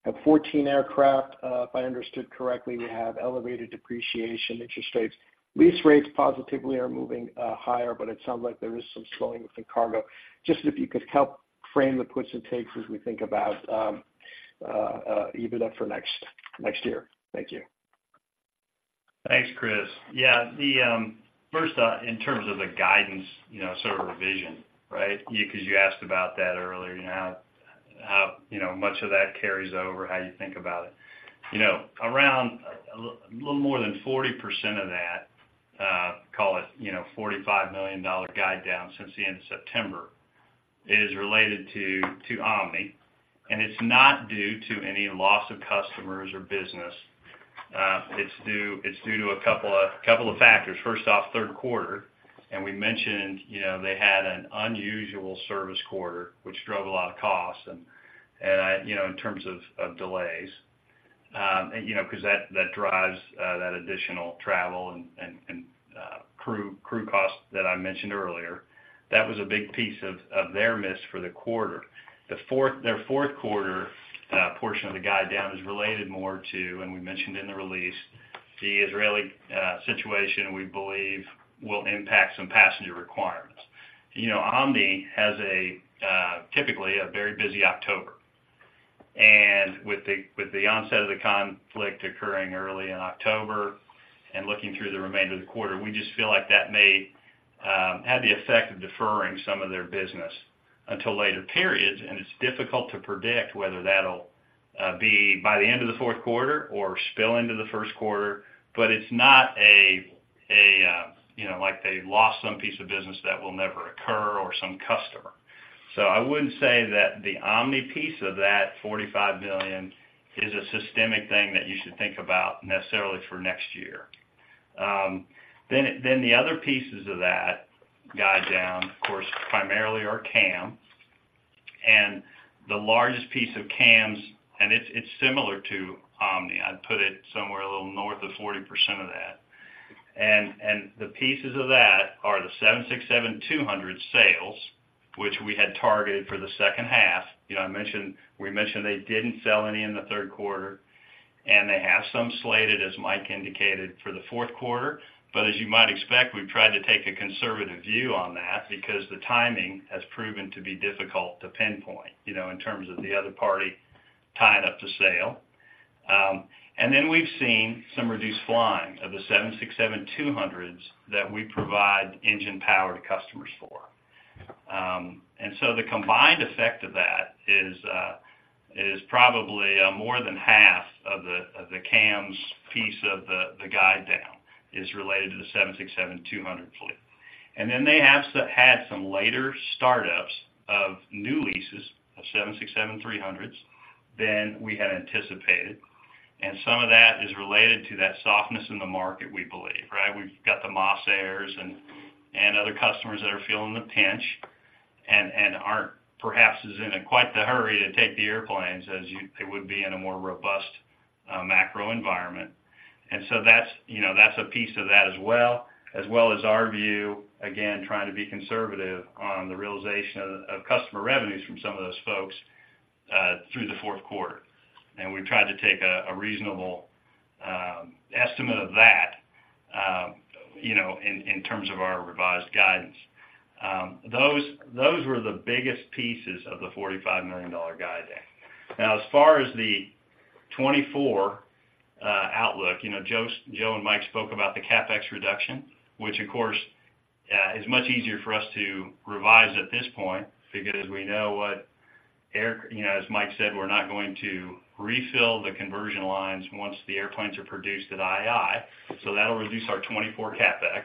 At 14 aircraft, if I understood correctly, we have elevated depreciation, interest rates lease rates positively are moving higher, but it sounds like there is some slowing within cargo. Just if you could help frame the puts and takes as we think about EBITDA for next year. Thank you. Thanks, Chris. Yeah, the first in terms of the guidance, you know, sort of revision, right? You, because you asked about that earlier, you know, how much of that carries over, how you think about it. You know, around a little more than 40% of that, call it, you know, $45 million guide down since the end of September, is related to Omni, and it's not due to any loss of customers or business. It's due to a couple of factors. First off, Q3, and we mentioned, you know, they had an unusual service quarter, which drove a lot of costs, and I, you know, in terms of delays, and you know, because that drives that additional travel and crew costs that I mentioned earlier. That was a big piece of their miss for the quarter. The fourth, their Q4 portion of the guide down is related more to, and we mentioned in the release, the Israeli situation, we believe will impact some passenger requirements. You know, Omni has typically a very busy October. And with the onset of the conflict occurring early in October and looking through the remainder of the quarter, we just feel like that may have the effect of deferring some of their business until later periods. It's difficult to predict whether that'll be by the end of the Q4 or spill into the first quarter. But it's not a you know, like they lost some piece of business that will never occur or some customer. So I wouldn't say that the Omni piece of that $45 million is a systemic thing that you should think about necessarily for next year. Then the other pieces of that guide down, of course, primarily are CAM. And the largest piece of CAM's, and it's similar to Omni. I'd put it somewhere a little north of 40% of that. And the pieces of that are the 767-200 sales, which we had targeted for the H2. You know, I mentioned, we mentioned they didn't sell any in the Q3, and they have some slated, as Mike indicated, for the Q4. But as you might expect, we've tried to take a conservative view on that because the timing has proven to be difficult to pinpoint, you know, in terms of the other party tying up the sale. And then we've seen some reduced flying of the 767-200s that we provide engine power to customers for. And so the combined effect of that is, is probably more than half of the CAM's piece of the guide down, is related to the 767-200 fleet. And then they have had some later startups of new leases, of 767-300s than we had anticipated, and some of that is related to that softness in the market, we believe, right? We've got the MasAir and other customers that are feeling the pinch and aren't perhaps as in a quite the hurry to take the airplanes as they would be in a more robust macro environment. And so that's, you know, that's a piece of that as well, as well as our view, again, trying to be conservative on the realization of customer revenues from some of those folks through the Q4. And we've tried to take a reasonable estimate of that, you know, in terms of our revised guidance. Those were the biggest pieces of the $45 million guide down. Now, as far as the 2024 outlook, you know, Joe and Mike spoke about the CapEx reduction, which of course is much easier for us to revise at this point because we know what aircraft. You know, as Mike said, we're not going to refill the conversion lines once the airplanes are produced at IAI, so that'll reduce our 2024 CapEx.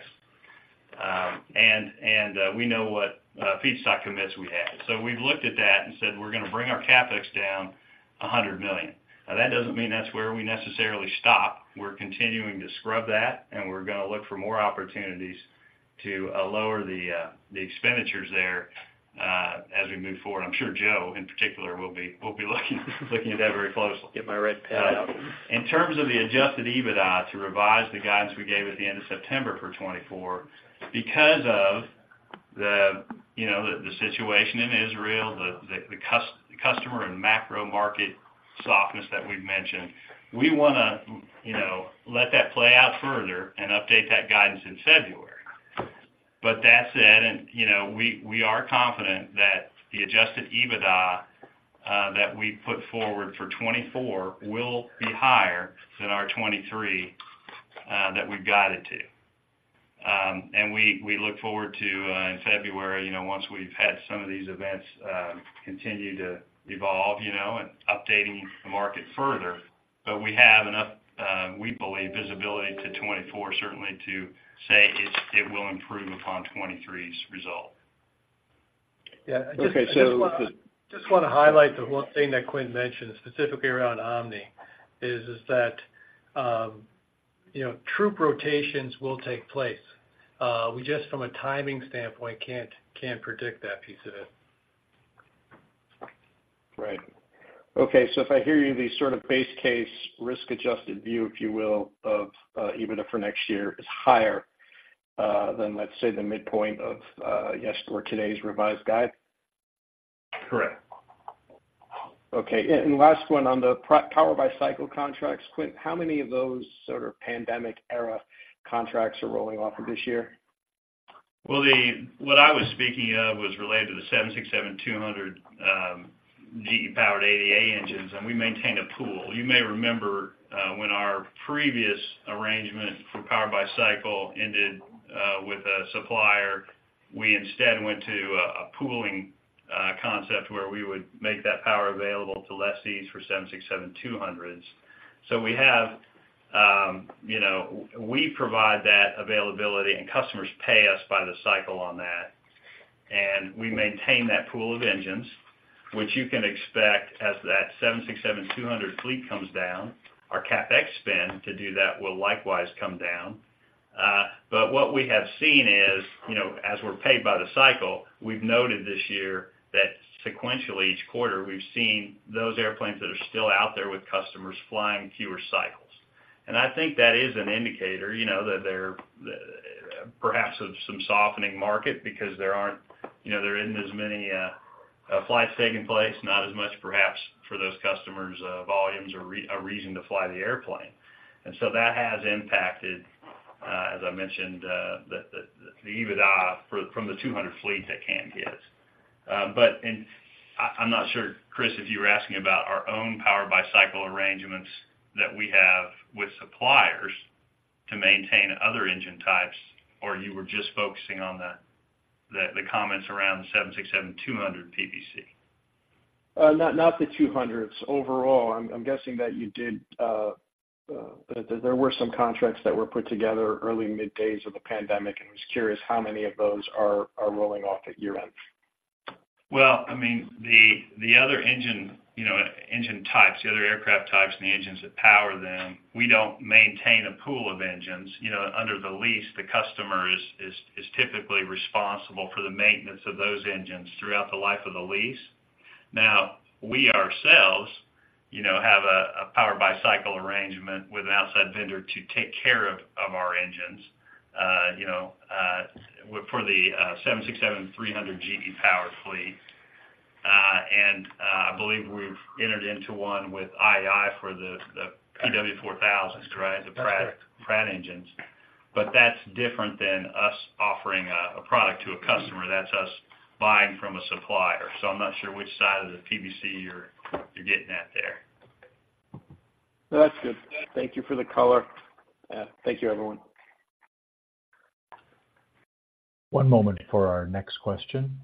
And we know what feedstock commitments we have. So we've looked at that and said, "We're gonna bring our CapEx down $100 million." Now, that doesn't mean that's where we necessarily stop. We're continuing to scrub that, and we're gonna look for more opportunities to lower the expenditures there as we move forward. I'm sure Joe, in particular, will be looking at that very closely. In terms of the adjusted EBITDA, to revise the guidance we gave at the end of September for 2024, because of, you know, the customer and macro market softness that we've mentioned, we wanna, you know, let that play out further and update that guidance in February. But that said, and, you know, we, we are confident that the adjusted EBITDA that we put forward for 2024 will be higher than our 2023 that we've guided to. And we, we look forward to in February, you know, once we've had some of these events continue to evolve, you know, and updating the market further. But we have enough, we believe, visibility to 2024, certainly to say it, it will improve upon 2023's result. Yeah, I just- Okay, so the Just wanna highlight the one thing that Quint mentioned, specifically around Omni, is that you know, troop rotations will take place. We just, from a timing standpoint, can't predict that piece of it. Right. Okay, so if I hear you, the sort of base case, risk-adjusted view, if you will, of EBITDA for next year is higher than, let's say, the midpoint of yesterday or today's revised guide? Correct. Okay, and last one on the power by cycle contracts. Quint, how many of those sort of pandemic-era contracts are rolling off of this year? Well, what I was speaking of was related to the 767-200, GE-powered CF6 engines, and we maintained a pool. You may remember, when our previous arrangement for Power by Cycle ended, with a supplier, we instead went to a pooling concept where we would make that power available to lessees for 767-200s. So we have, you know, we provide that availability, and customers pay us by the cycle on that. And we maintain that pool of engines, which you can expect as that 767-200 fleet comes down. Our CapEx spend to do that will likewise come down. But what we have seen is, you know, as we're paid by the cycle, we've noted this year that sequentially, each quarter, we've seen those airplanes that are still out there with customers flying fewer cycles. And I think that is an indicator, you know, that they're perhaps of some softening market because there aren't, you know, there isn't as many flights taking place, not as much, perhaps, for those customers volumes or a reason to fly the airplane. And so that has impacted, as I mentioned, the EBITDA from the 200 fleet at hand is. I'm not sure, Chris, if you were asking about our own Power by Cycle arrangements that we have with suppliers to maintain other engine types, or you were just focusing on the comments around the 767-200 PBC? Not, not the 200. Overall, I'm guessing that you did that there were some contracts that were put together early, mid days of the pandemic, and was curious how many of those are rolling off at year-end? Well, I mean, the other engine types, the other aircraft types and the engines that power them, we don't maintain a pool of engines. You know, under the lease, the customer is typically responsible for the maintenance of those engines throughout the life of the lease. Now, we ourselves, you know, have a power-by-cycle arrangement with an outside vendor to take care of our engines, you know, for the 767-300 GE-powered fleet. And I believe we've entered into one with IAI for the PW4000, correct? That's correct. The Pratt engines but that's different than us offering a product to a customer. That's us buying from a supplier so I'm not sure which side of the PBC you're getting at there. No, that's good. Thank you for the color. Thank you, everyone. One moment for our next question.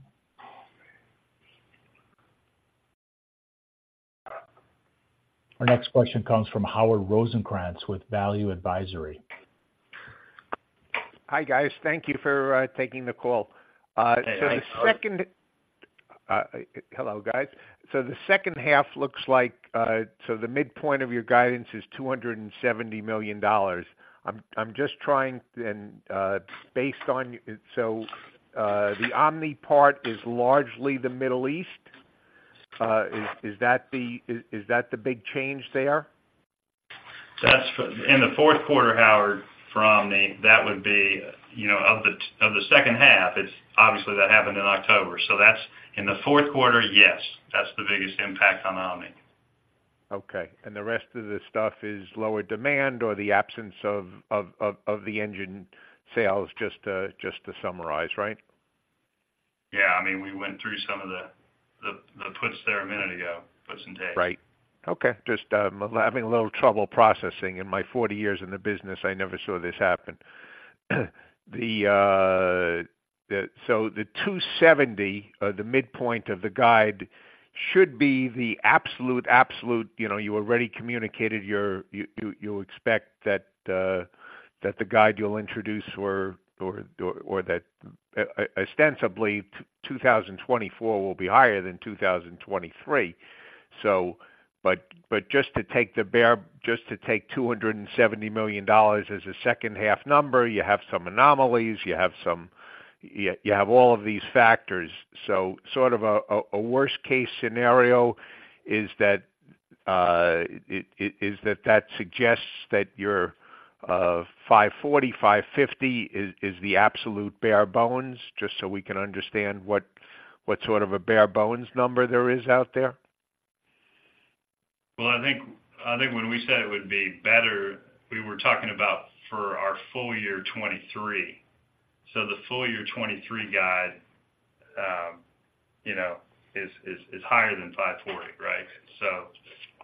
Our next question comes from Howard Rosencrans with Value Advisory. Hi, guys. Thank you for taking the call. Hey, hi, Howard. Hello, guys. So the H2 looks like, so the midpoint of your guidance is $270 million. I'm, I'm just trying and, based on... So, the Omni part is largely the Middle East. Is, is that the big change there? That's in the Q4, Howard, from Omni, that would be, you know, of the second half, it's obviously that happened in October. So that's in the Q4, yes, that's the biggest impact on Omni. Okay. The rest of the stuff is lower demand or the absence of the engine sales, just to summarize, right? Yeah. I mean, we went through some of the puts there a minute ago, puts and takes. Right. Okay. Just having a little trouble processing. In my 40 years in the business, I never saw this happen. The, so the 270, the midpoint of the guide should be the absolute, absolute... You know, you already communicated your, you expect that, that the guide you'll introduce or that, ostensibly, 2024 will be higher than 2023. So, but just to take the bare, just to take $270 million as a H2 number, you have some anomalies, you have some, you have all of these factors. So sort of a worst case scenario is that that suggests that your $540-$550 is the absolute bare bones, just so we can understand what sort of a bare bones number there is out there? Well, I think, I think when we said it would be better, we were talking about for our full year 2023. So the full year 2023 guide, you know, is higher than $540, right? So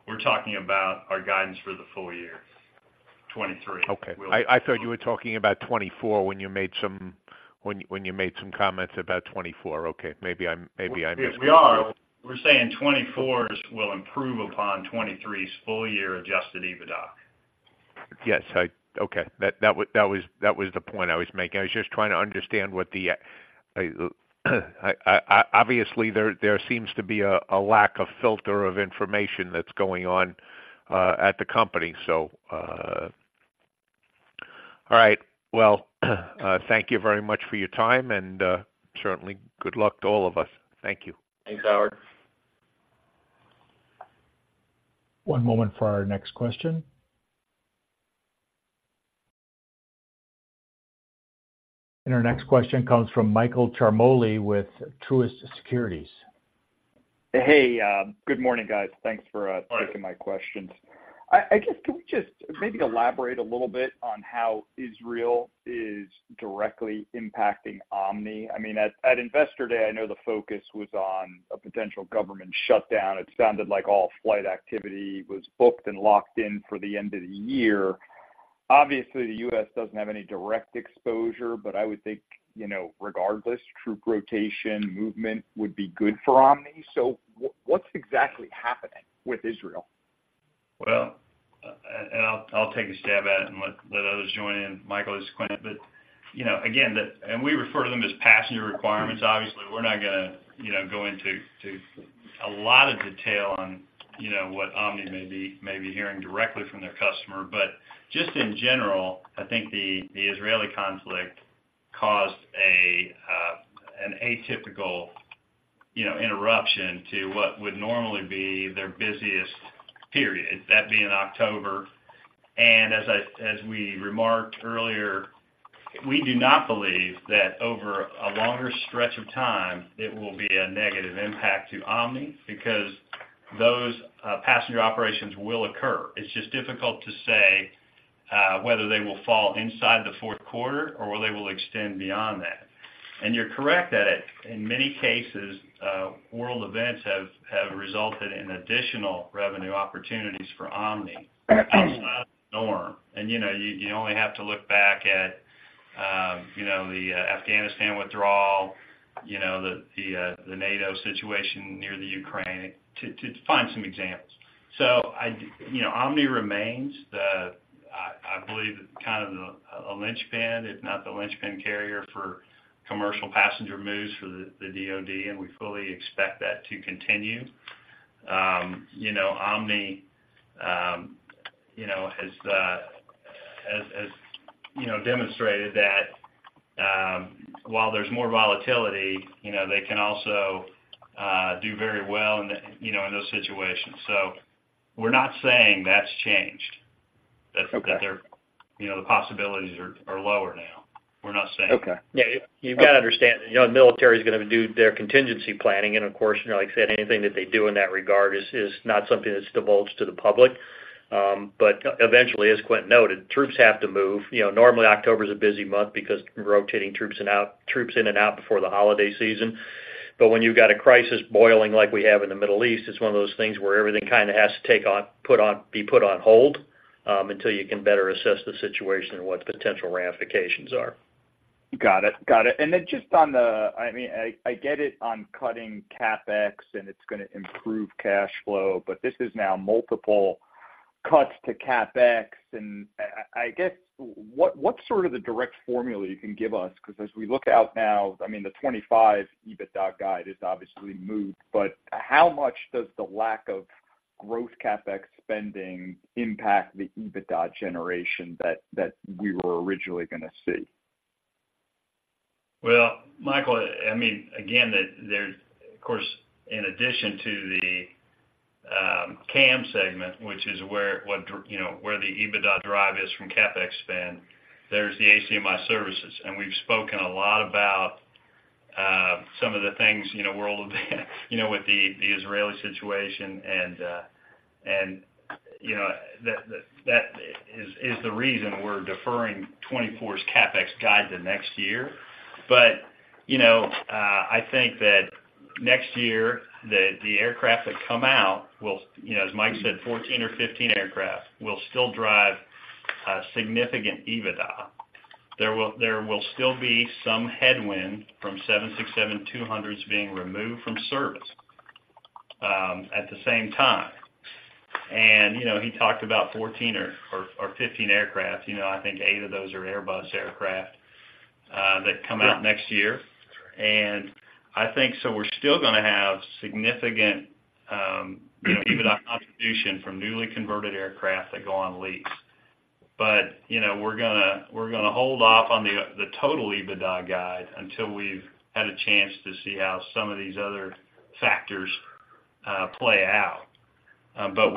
we're talking about our guidance for the full year 2023. Okay. I thought you were talking about 24 when you made some comments about 24. Okay, maybe I misheard you. We are. We're saying 2024's will improve upon 2023's full year adjusted EBITDA. Yes. Okay. That was the point I was making. I was just trying to understand. I obviously, there seems to be a lack of filter of information that's going on at the company, so. All right. Well, thank you very much for your time, and certainly good luck to all of us. Thank you. Thanks, Howard. One moment for our next question. Our next question comes from Michael Ciarmoli with Truist Securities. Hey, Good Morning, Guys. Thanks for taking my questions. I guess, can we just maybe elaborate a little bit on how Israel is directly impacting Omni? I mean, at Investor Day, I know the focus was on a potential government shutdown. It sounded like all flight activity was booked and locked in for the end of the year. Obviously, the U.S. doesn't have any direct exposure, but I would think, you know, regardless, troop rotation movement would be good for Omni. So what's exactly happening with Israel? Well, and I'll, I'll take a stab at it and let, let others join in. Michael, this is Quint. But, you know, again, and we refer to them as passenger requirements. Obviously, we're not gonna, you know, go into, to a lot of detail on, you know, what Omni may be, may be hearing directly from their customer. But just in general, I think the, the Israeli conflict caused a, an atypical, you know, interruption to what would normally be their busiest period, that being October. And as I, as we remarked earlier, we do not believe that over a longer stretch of time, it will be a negative impact to Omni, because those, passenger operations will occur. It's just difficult to say, whether they will fall inside the Q4 or whether they will extend beyond that. And you're correct that in many cases, world events have resulted in additional revenue opportunities for Omni, outside the norm. And, you know, you only have to look back at, you know, the Afghanistan withdrawal, you know, the NATO situation near the Ukraine, to find some examples. So you know, Omni remains the, I believe, kind of a linchpin, if not the linchpin carrier for commercial passenger moves for the DOD, and we fully expect that to continue. You know, Omni, you know, has demonstrated that, while there's more volatility, you know, they can also do very well in the, you know, in those situations. So we're not saying that's changed. Okay. That they're, you know, the possibilities are lower now. We're not saying that. Okay. Yeah, you've got to understand, you know, the military is gonna do their contingency planning, and of course, you know, like I said, anything that they do in that regard is not something that's divulged to the public. But eventually, as Quint noted, troops have to move. You know, normally, October is a busy month because rotating troops in and out before the holiday season. But when you've got a crisis boiling like we have in the Middle East, it's one of those things where everything kind of has to be put on hold until you can better assess the situation and what the potential ramifications are. Got it. Got it. And then just on the... I mean, I get it on cutting CapEx, and it's gonna improve cash flow, but this is now multiple cuts to CapEx. And I guess, what's sort of the direct formula you can give us? Because as we look out now, I mean, the 25 EBITDA guide is obviously moved, but how much does the lack of growth CapEx spending impact the EBITDA generation that we were originally gonna see? Well, Michael, I mean, again, there's, of course, in addition to the CAM segment, which is where you know where the EBITDA drive is from CapEx spend, there's the ACMI services. And we've spoken a lot about some of the things, you know, world of you know with the the Israeli situation, and you know that that is is the reason we're deferring 2024's CapEx guide to next year. But, you know, I think that next year, the the aircraft that come out will, you know, as Mike said, 14 or 15 aircraft, will still drive a significant EBITDA. There will there will still be some headwind from 767-200s being removed from service at the same time. You know, he talked about 14 or 15 aircraft, you know, I think 8 of those are Airbus aircraft that come out next year. And I think, so we're still gonna have significant, you know, EBITDA contribution from newly converted aircraft that go on lease. But, you know, we're gonna hold off on the total EBITDA guide until we've had a chance to see how some of these other factors play out. Okay. But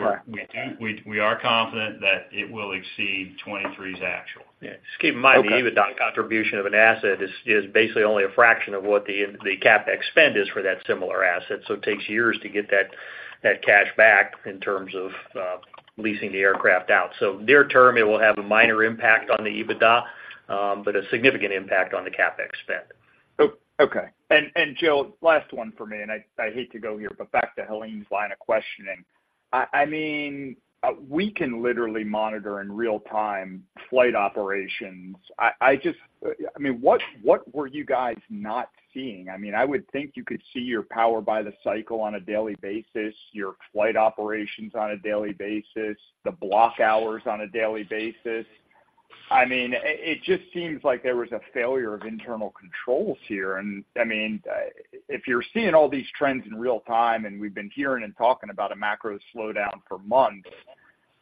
we are confident that it will exceed 2023's actual. Yeah, just keep in mind- Okay the EBITDA contribution of an asset is basically only a fraction of what the CapEx spend is for that similar asset so it takes years to get that cash back in terms of leasing the aircraft out. So near term, it will have a minor impact on the EBITDA, but a significant impact on the CapEx spend. Okay. And Joe, last one for me, and I hate to go here, but back to Helane's line of questioning. I mean, we can literally monitor in real time flight operations. I just—I mean, what were you guys not seeing? I mean, I would think you could see your Power by the Cycle on a daily basis, your flight operations on a daily basis, the Block Hours on a daily basis. I mean, it just seems like there was a failure of internal controls here and I mean, if you're seeing all these trends in real time, and we've been hearing and talking about a macro slowdown for months,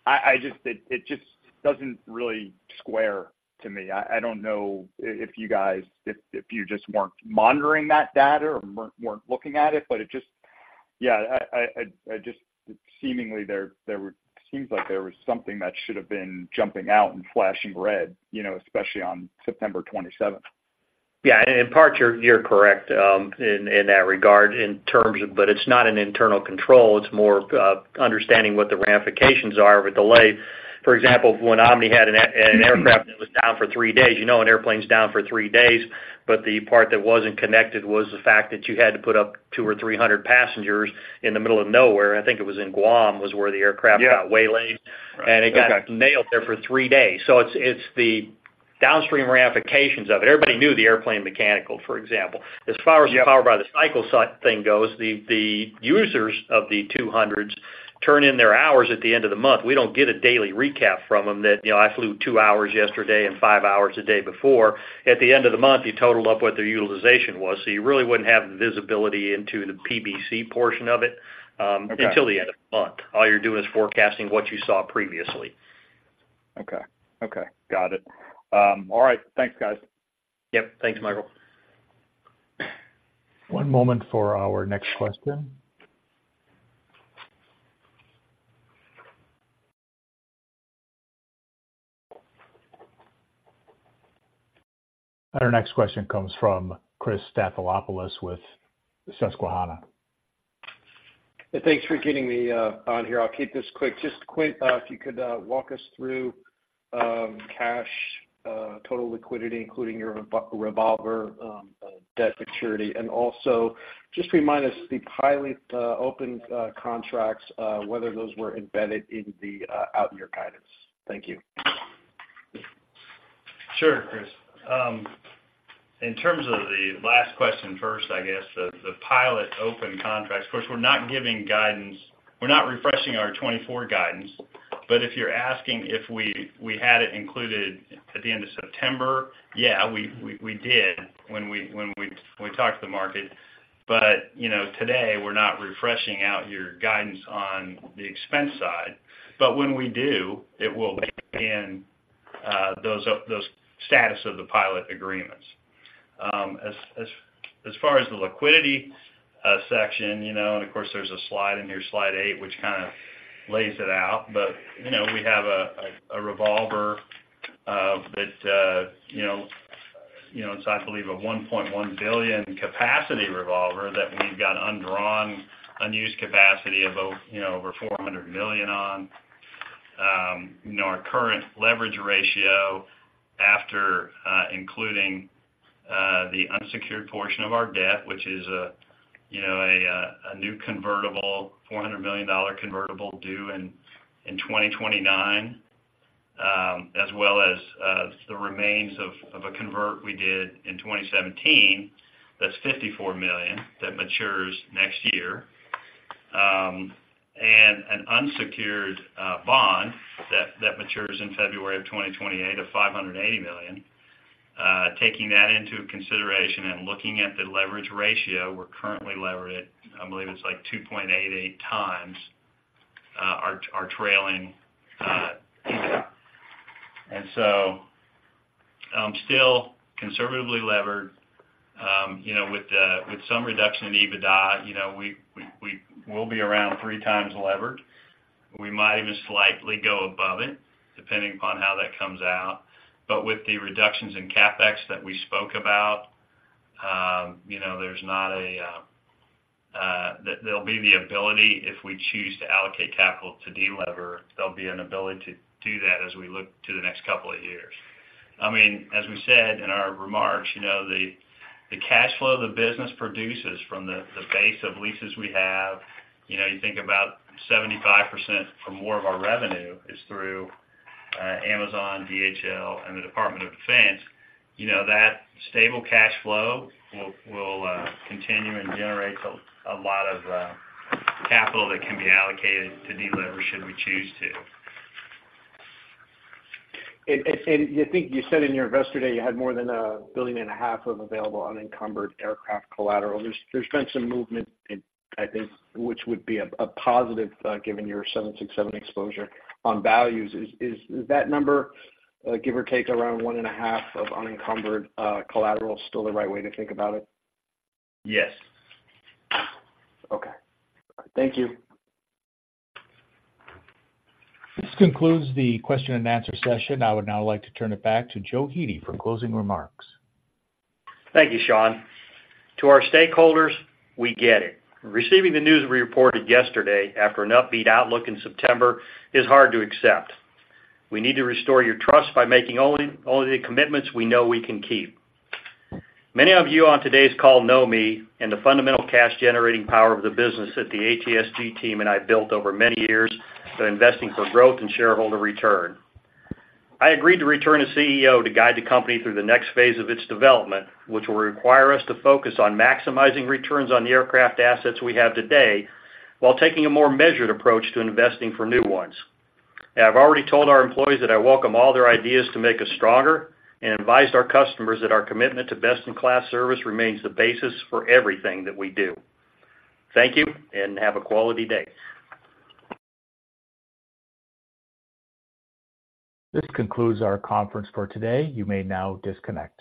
I just—it just doesn't really square to me. I don't know if you guys just weren't monitoring that data or weren't looking at it, but it just... Yeah, I just seemingly there seems like there was something that should have been jumping out and flashing red, you know, especially on 27 September. Yeah, in part, you're correct, in that regard, in terms of, but it's not an internal control, it's more of, understanding what the ramifications are of a delay. For example, when Omni had an aircraft that was down for three days, you know, an airplane's down for three days, but the part that wasn't connected was the fact that you had to put up 200 or 300 passengers in the middle of nowhere. I think it was in Guam, was where the aircraft- Yeah. -got waylaid. Right. It got nailed there for three days. So it's, it's the downstream ramifications of it. Everybody knew the airplane mechanical, for example. Yep. As far as the Power by the Cycle side thing goes, the users of the 200s turn in their hours at the end of the month. We don't get a daily recap from them that, you know, "I flew 2 hours yesterday and 5 hours the day before." At the end of the month, you total up what their utilization was, so you really wouldn't have the visibility into the PBC portion of it. Okay. until the end of the month. All you're doing is forecasting what you saw previously. Okay. Okay. Got it. All right. Thanks, guys. Yep. Thanks, Michael. One moment for our next question. Our next question comes from Chris Stathoulopoulos with Susquehanna. Thanks for getting me on here. I'll keep this quick. Just quick, if you could walk us through cash total liquidity, including your revolver, debt maturity, and also just remind us the pilot open contracts whether those were embedded in the out year guidance. Thank you. Sure, Chris. In terms of the last question first, I guess, the pilot open contracts, of course, we're not giving guidance—we're not refreshing our 2024 guidance, but if you're asking if we had it included at the end of September, yeah, we did when we talked to the market. But, you know, today, we're not refreshing our guidance on the expense side. But when we do, it will weigh in the status of the pilot agreements. As far as the liquidity section, you know, and of course, there's a slide in here, slide 8, which kind of lays it out. But, you know, we have a revolver that, you know, it's, I believe, a $1.1 billion capacity revolver that we've got undrawn, unused capacity of over, you know, over $400 million on. You know, our current leverage ratio after including the unsecured portion of our debt, which is a, you know, a new convertible, $400 million convertible due in 2029, as well as the remains of a convert we did in 2017, that's $54 million, that matures next year. And an unsecured bond that matures in February of 2028 of $580 million. Taking that into consideration and looking at the leverage ratio, we're currently levered at, I believe, it's like 2.88x our trailing... Still conservatively levered. You know, with some reduction in EBITDA, you know, we'll be around three times levered. We might even slightly go above it, depending upon how that comes out but with the reductions in CapEx that we spoke about, you know, there'll be the ability, if we choose to allocate capital to deliver, there'll be an ability to do that as we look to the next couple of years. I mean, as we said in our remarks, you know, the cash flow the business produces from the base of leases we have, you know, you think about 75% or more of our revenue is through Amazon, DHL, and the Department of Defense. You know, that stable cash flow will continue and generate a lot of capital that can be allocated to deliver should we choose to. And I think you said in your Investor Day, you had more than $1.5 billion of available unencumbered aircraft collateral. There's been some movement, I think, which would be a positive, given your 767 exposure on values. Is that number, give or take, around $1.5 billion of unencumbered collateral still the right way to think about it? Yes. Okay. Thank you. This concludes the question and answer session. I would now like to turn it back to Joe Hete for closing remarks. Thank you, Sean. To our stakeholders, we get it. Receiving the news we reported yesterday after an upbeat outlook in September is hard to accept. We need to restore your trust by making only, only the commitments we know we can keep. Many of you on today's call know me and the fundamental cash-generating power of the business that the ATSG team and I built over many years to investing for growth and shareholder return. I agreed to return as CEO to guide the company through the next phase of its development, which will require us to focus on maximizing returns on the aircraft assets we have today, while taking a more measured approach to investing for new ones. I've already told our employees that I welcome all their ideas to make us stronger, and advised our customers that our commitment to best-in-class service remains the basis for everything that we do. Thank you, and have a quality day. This concludes our conference for today. You may now disconnect.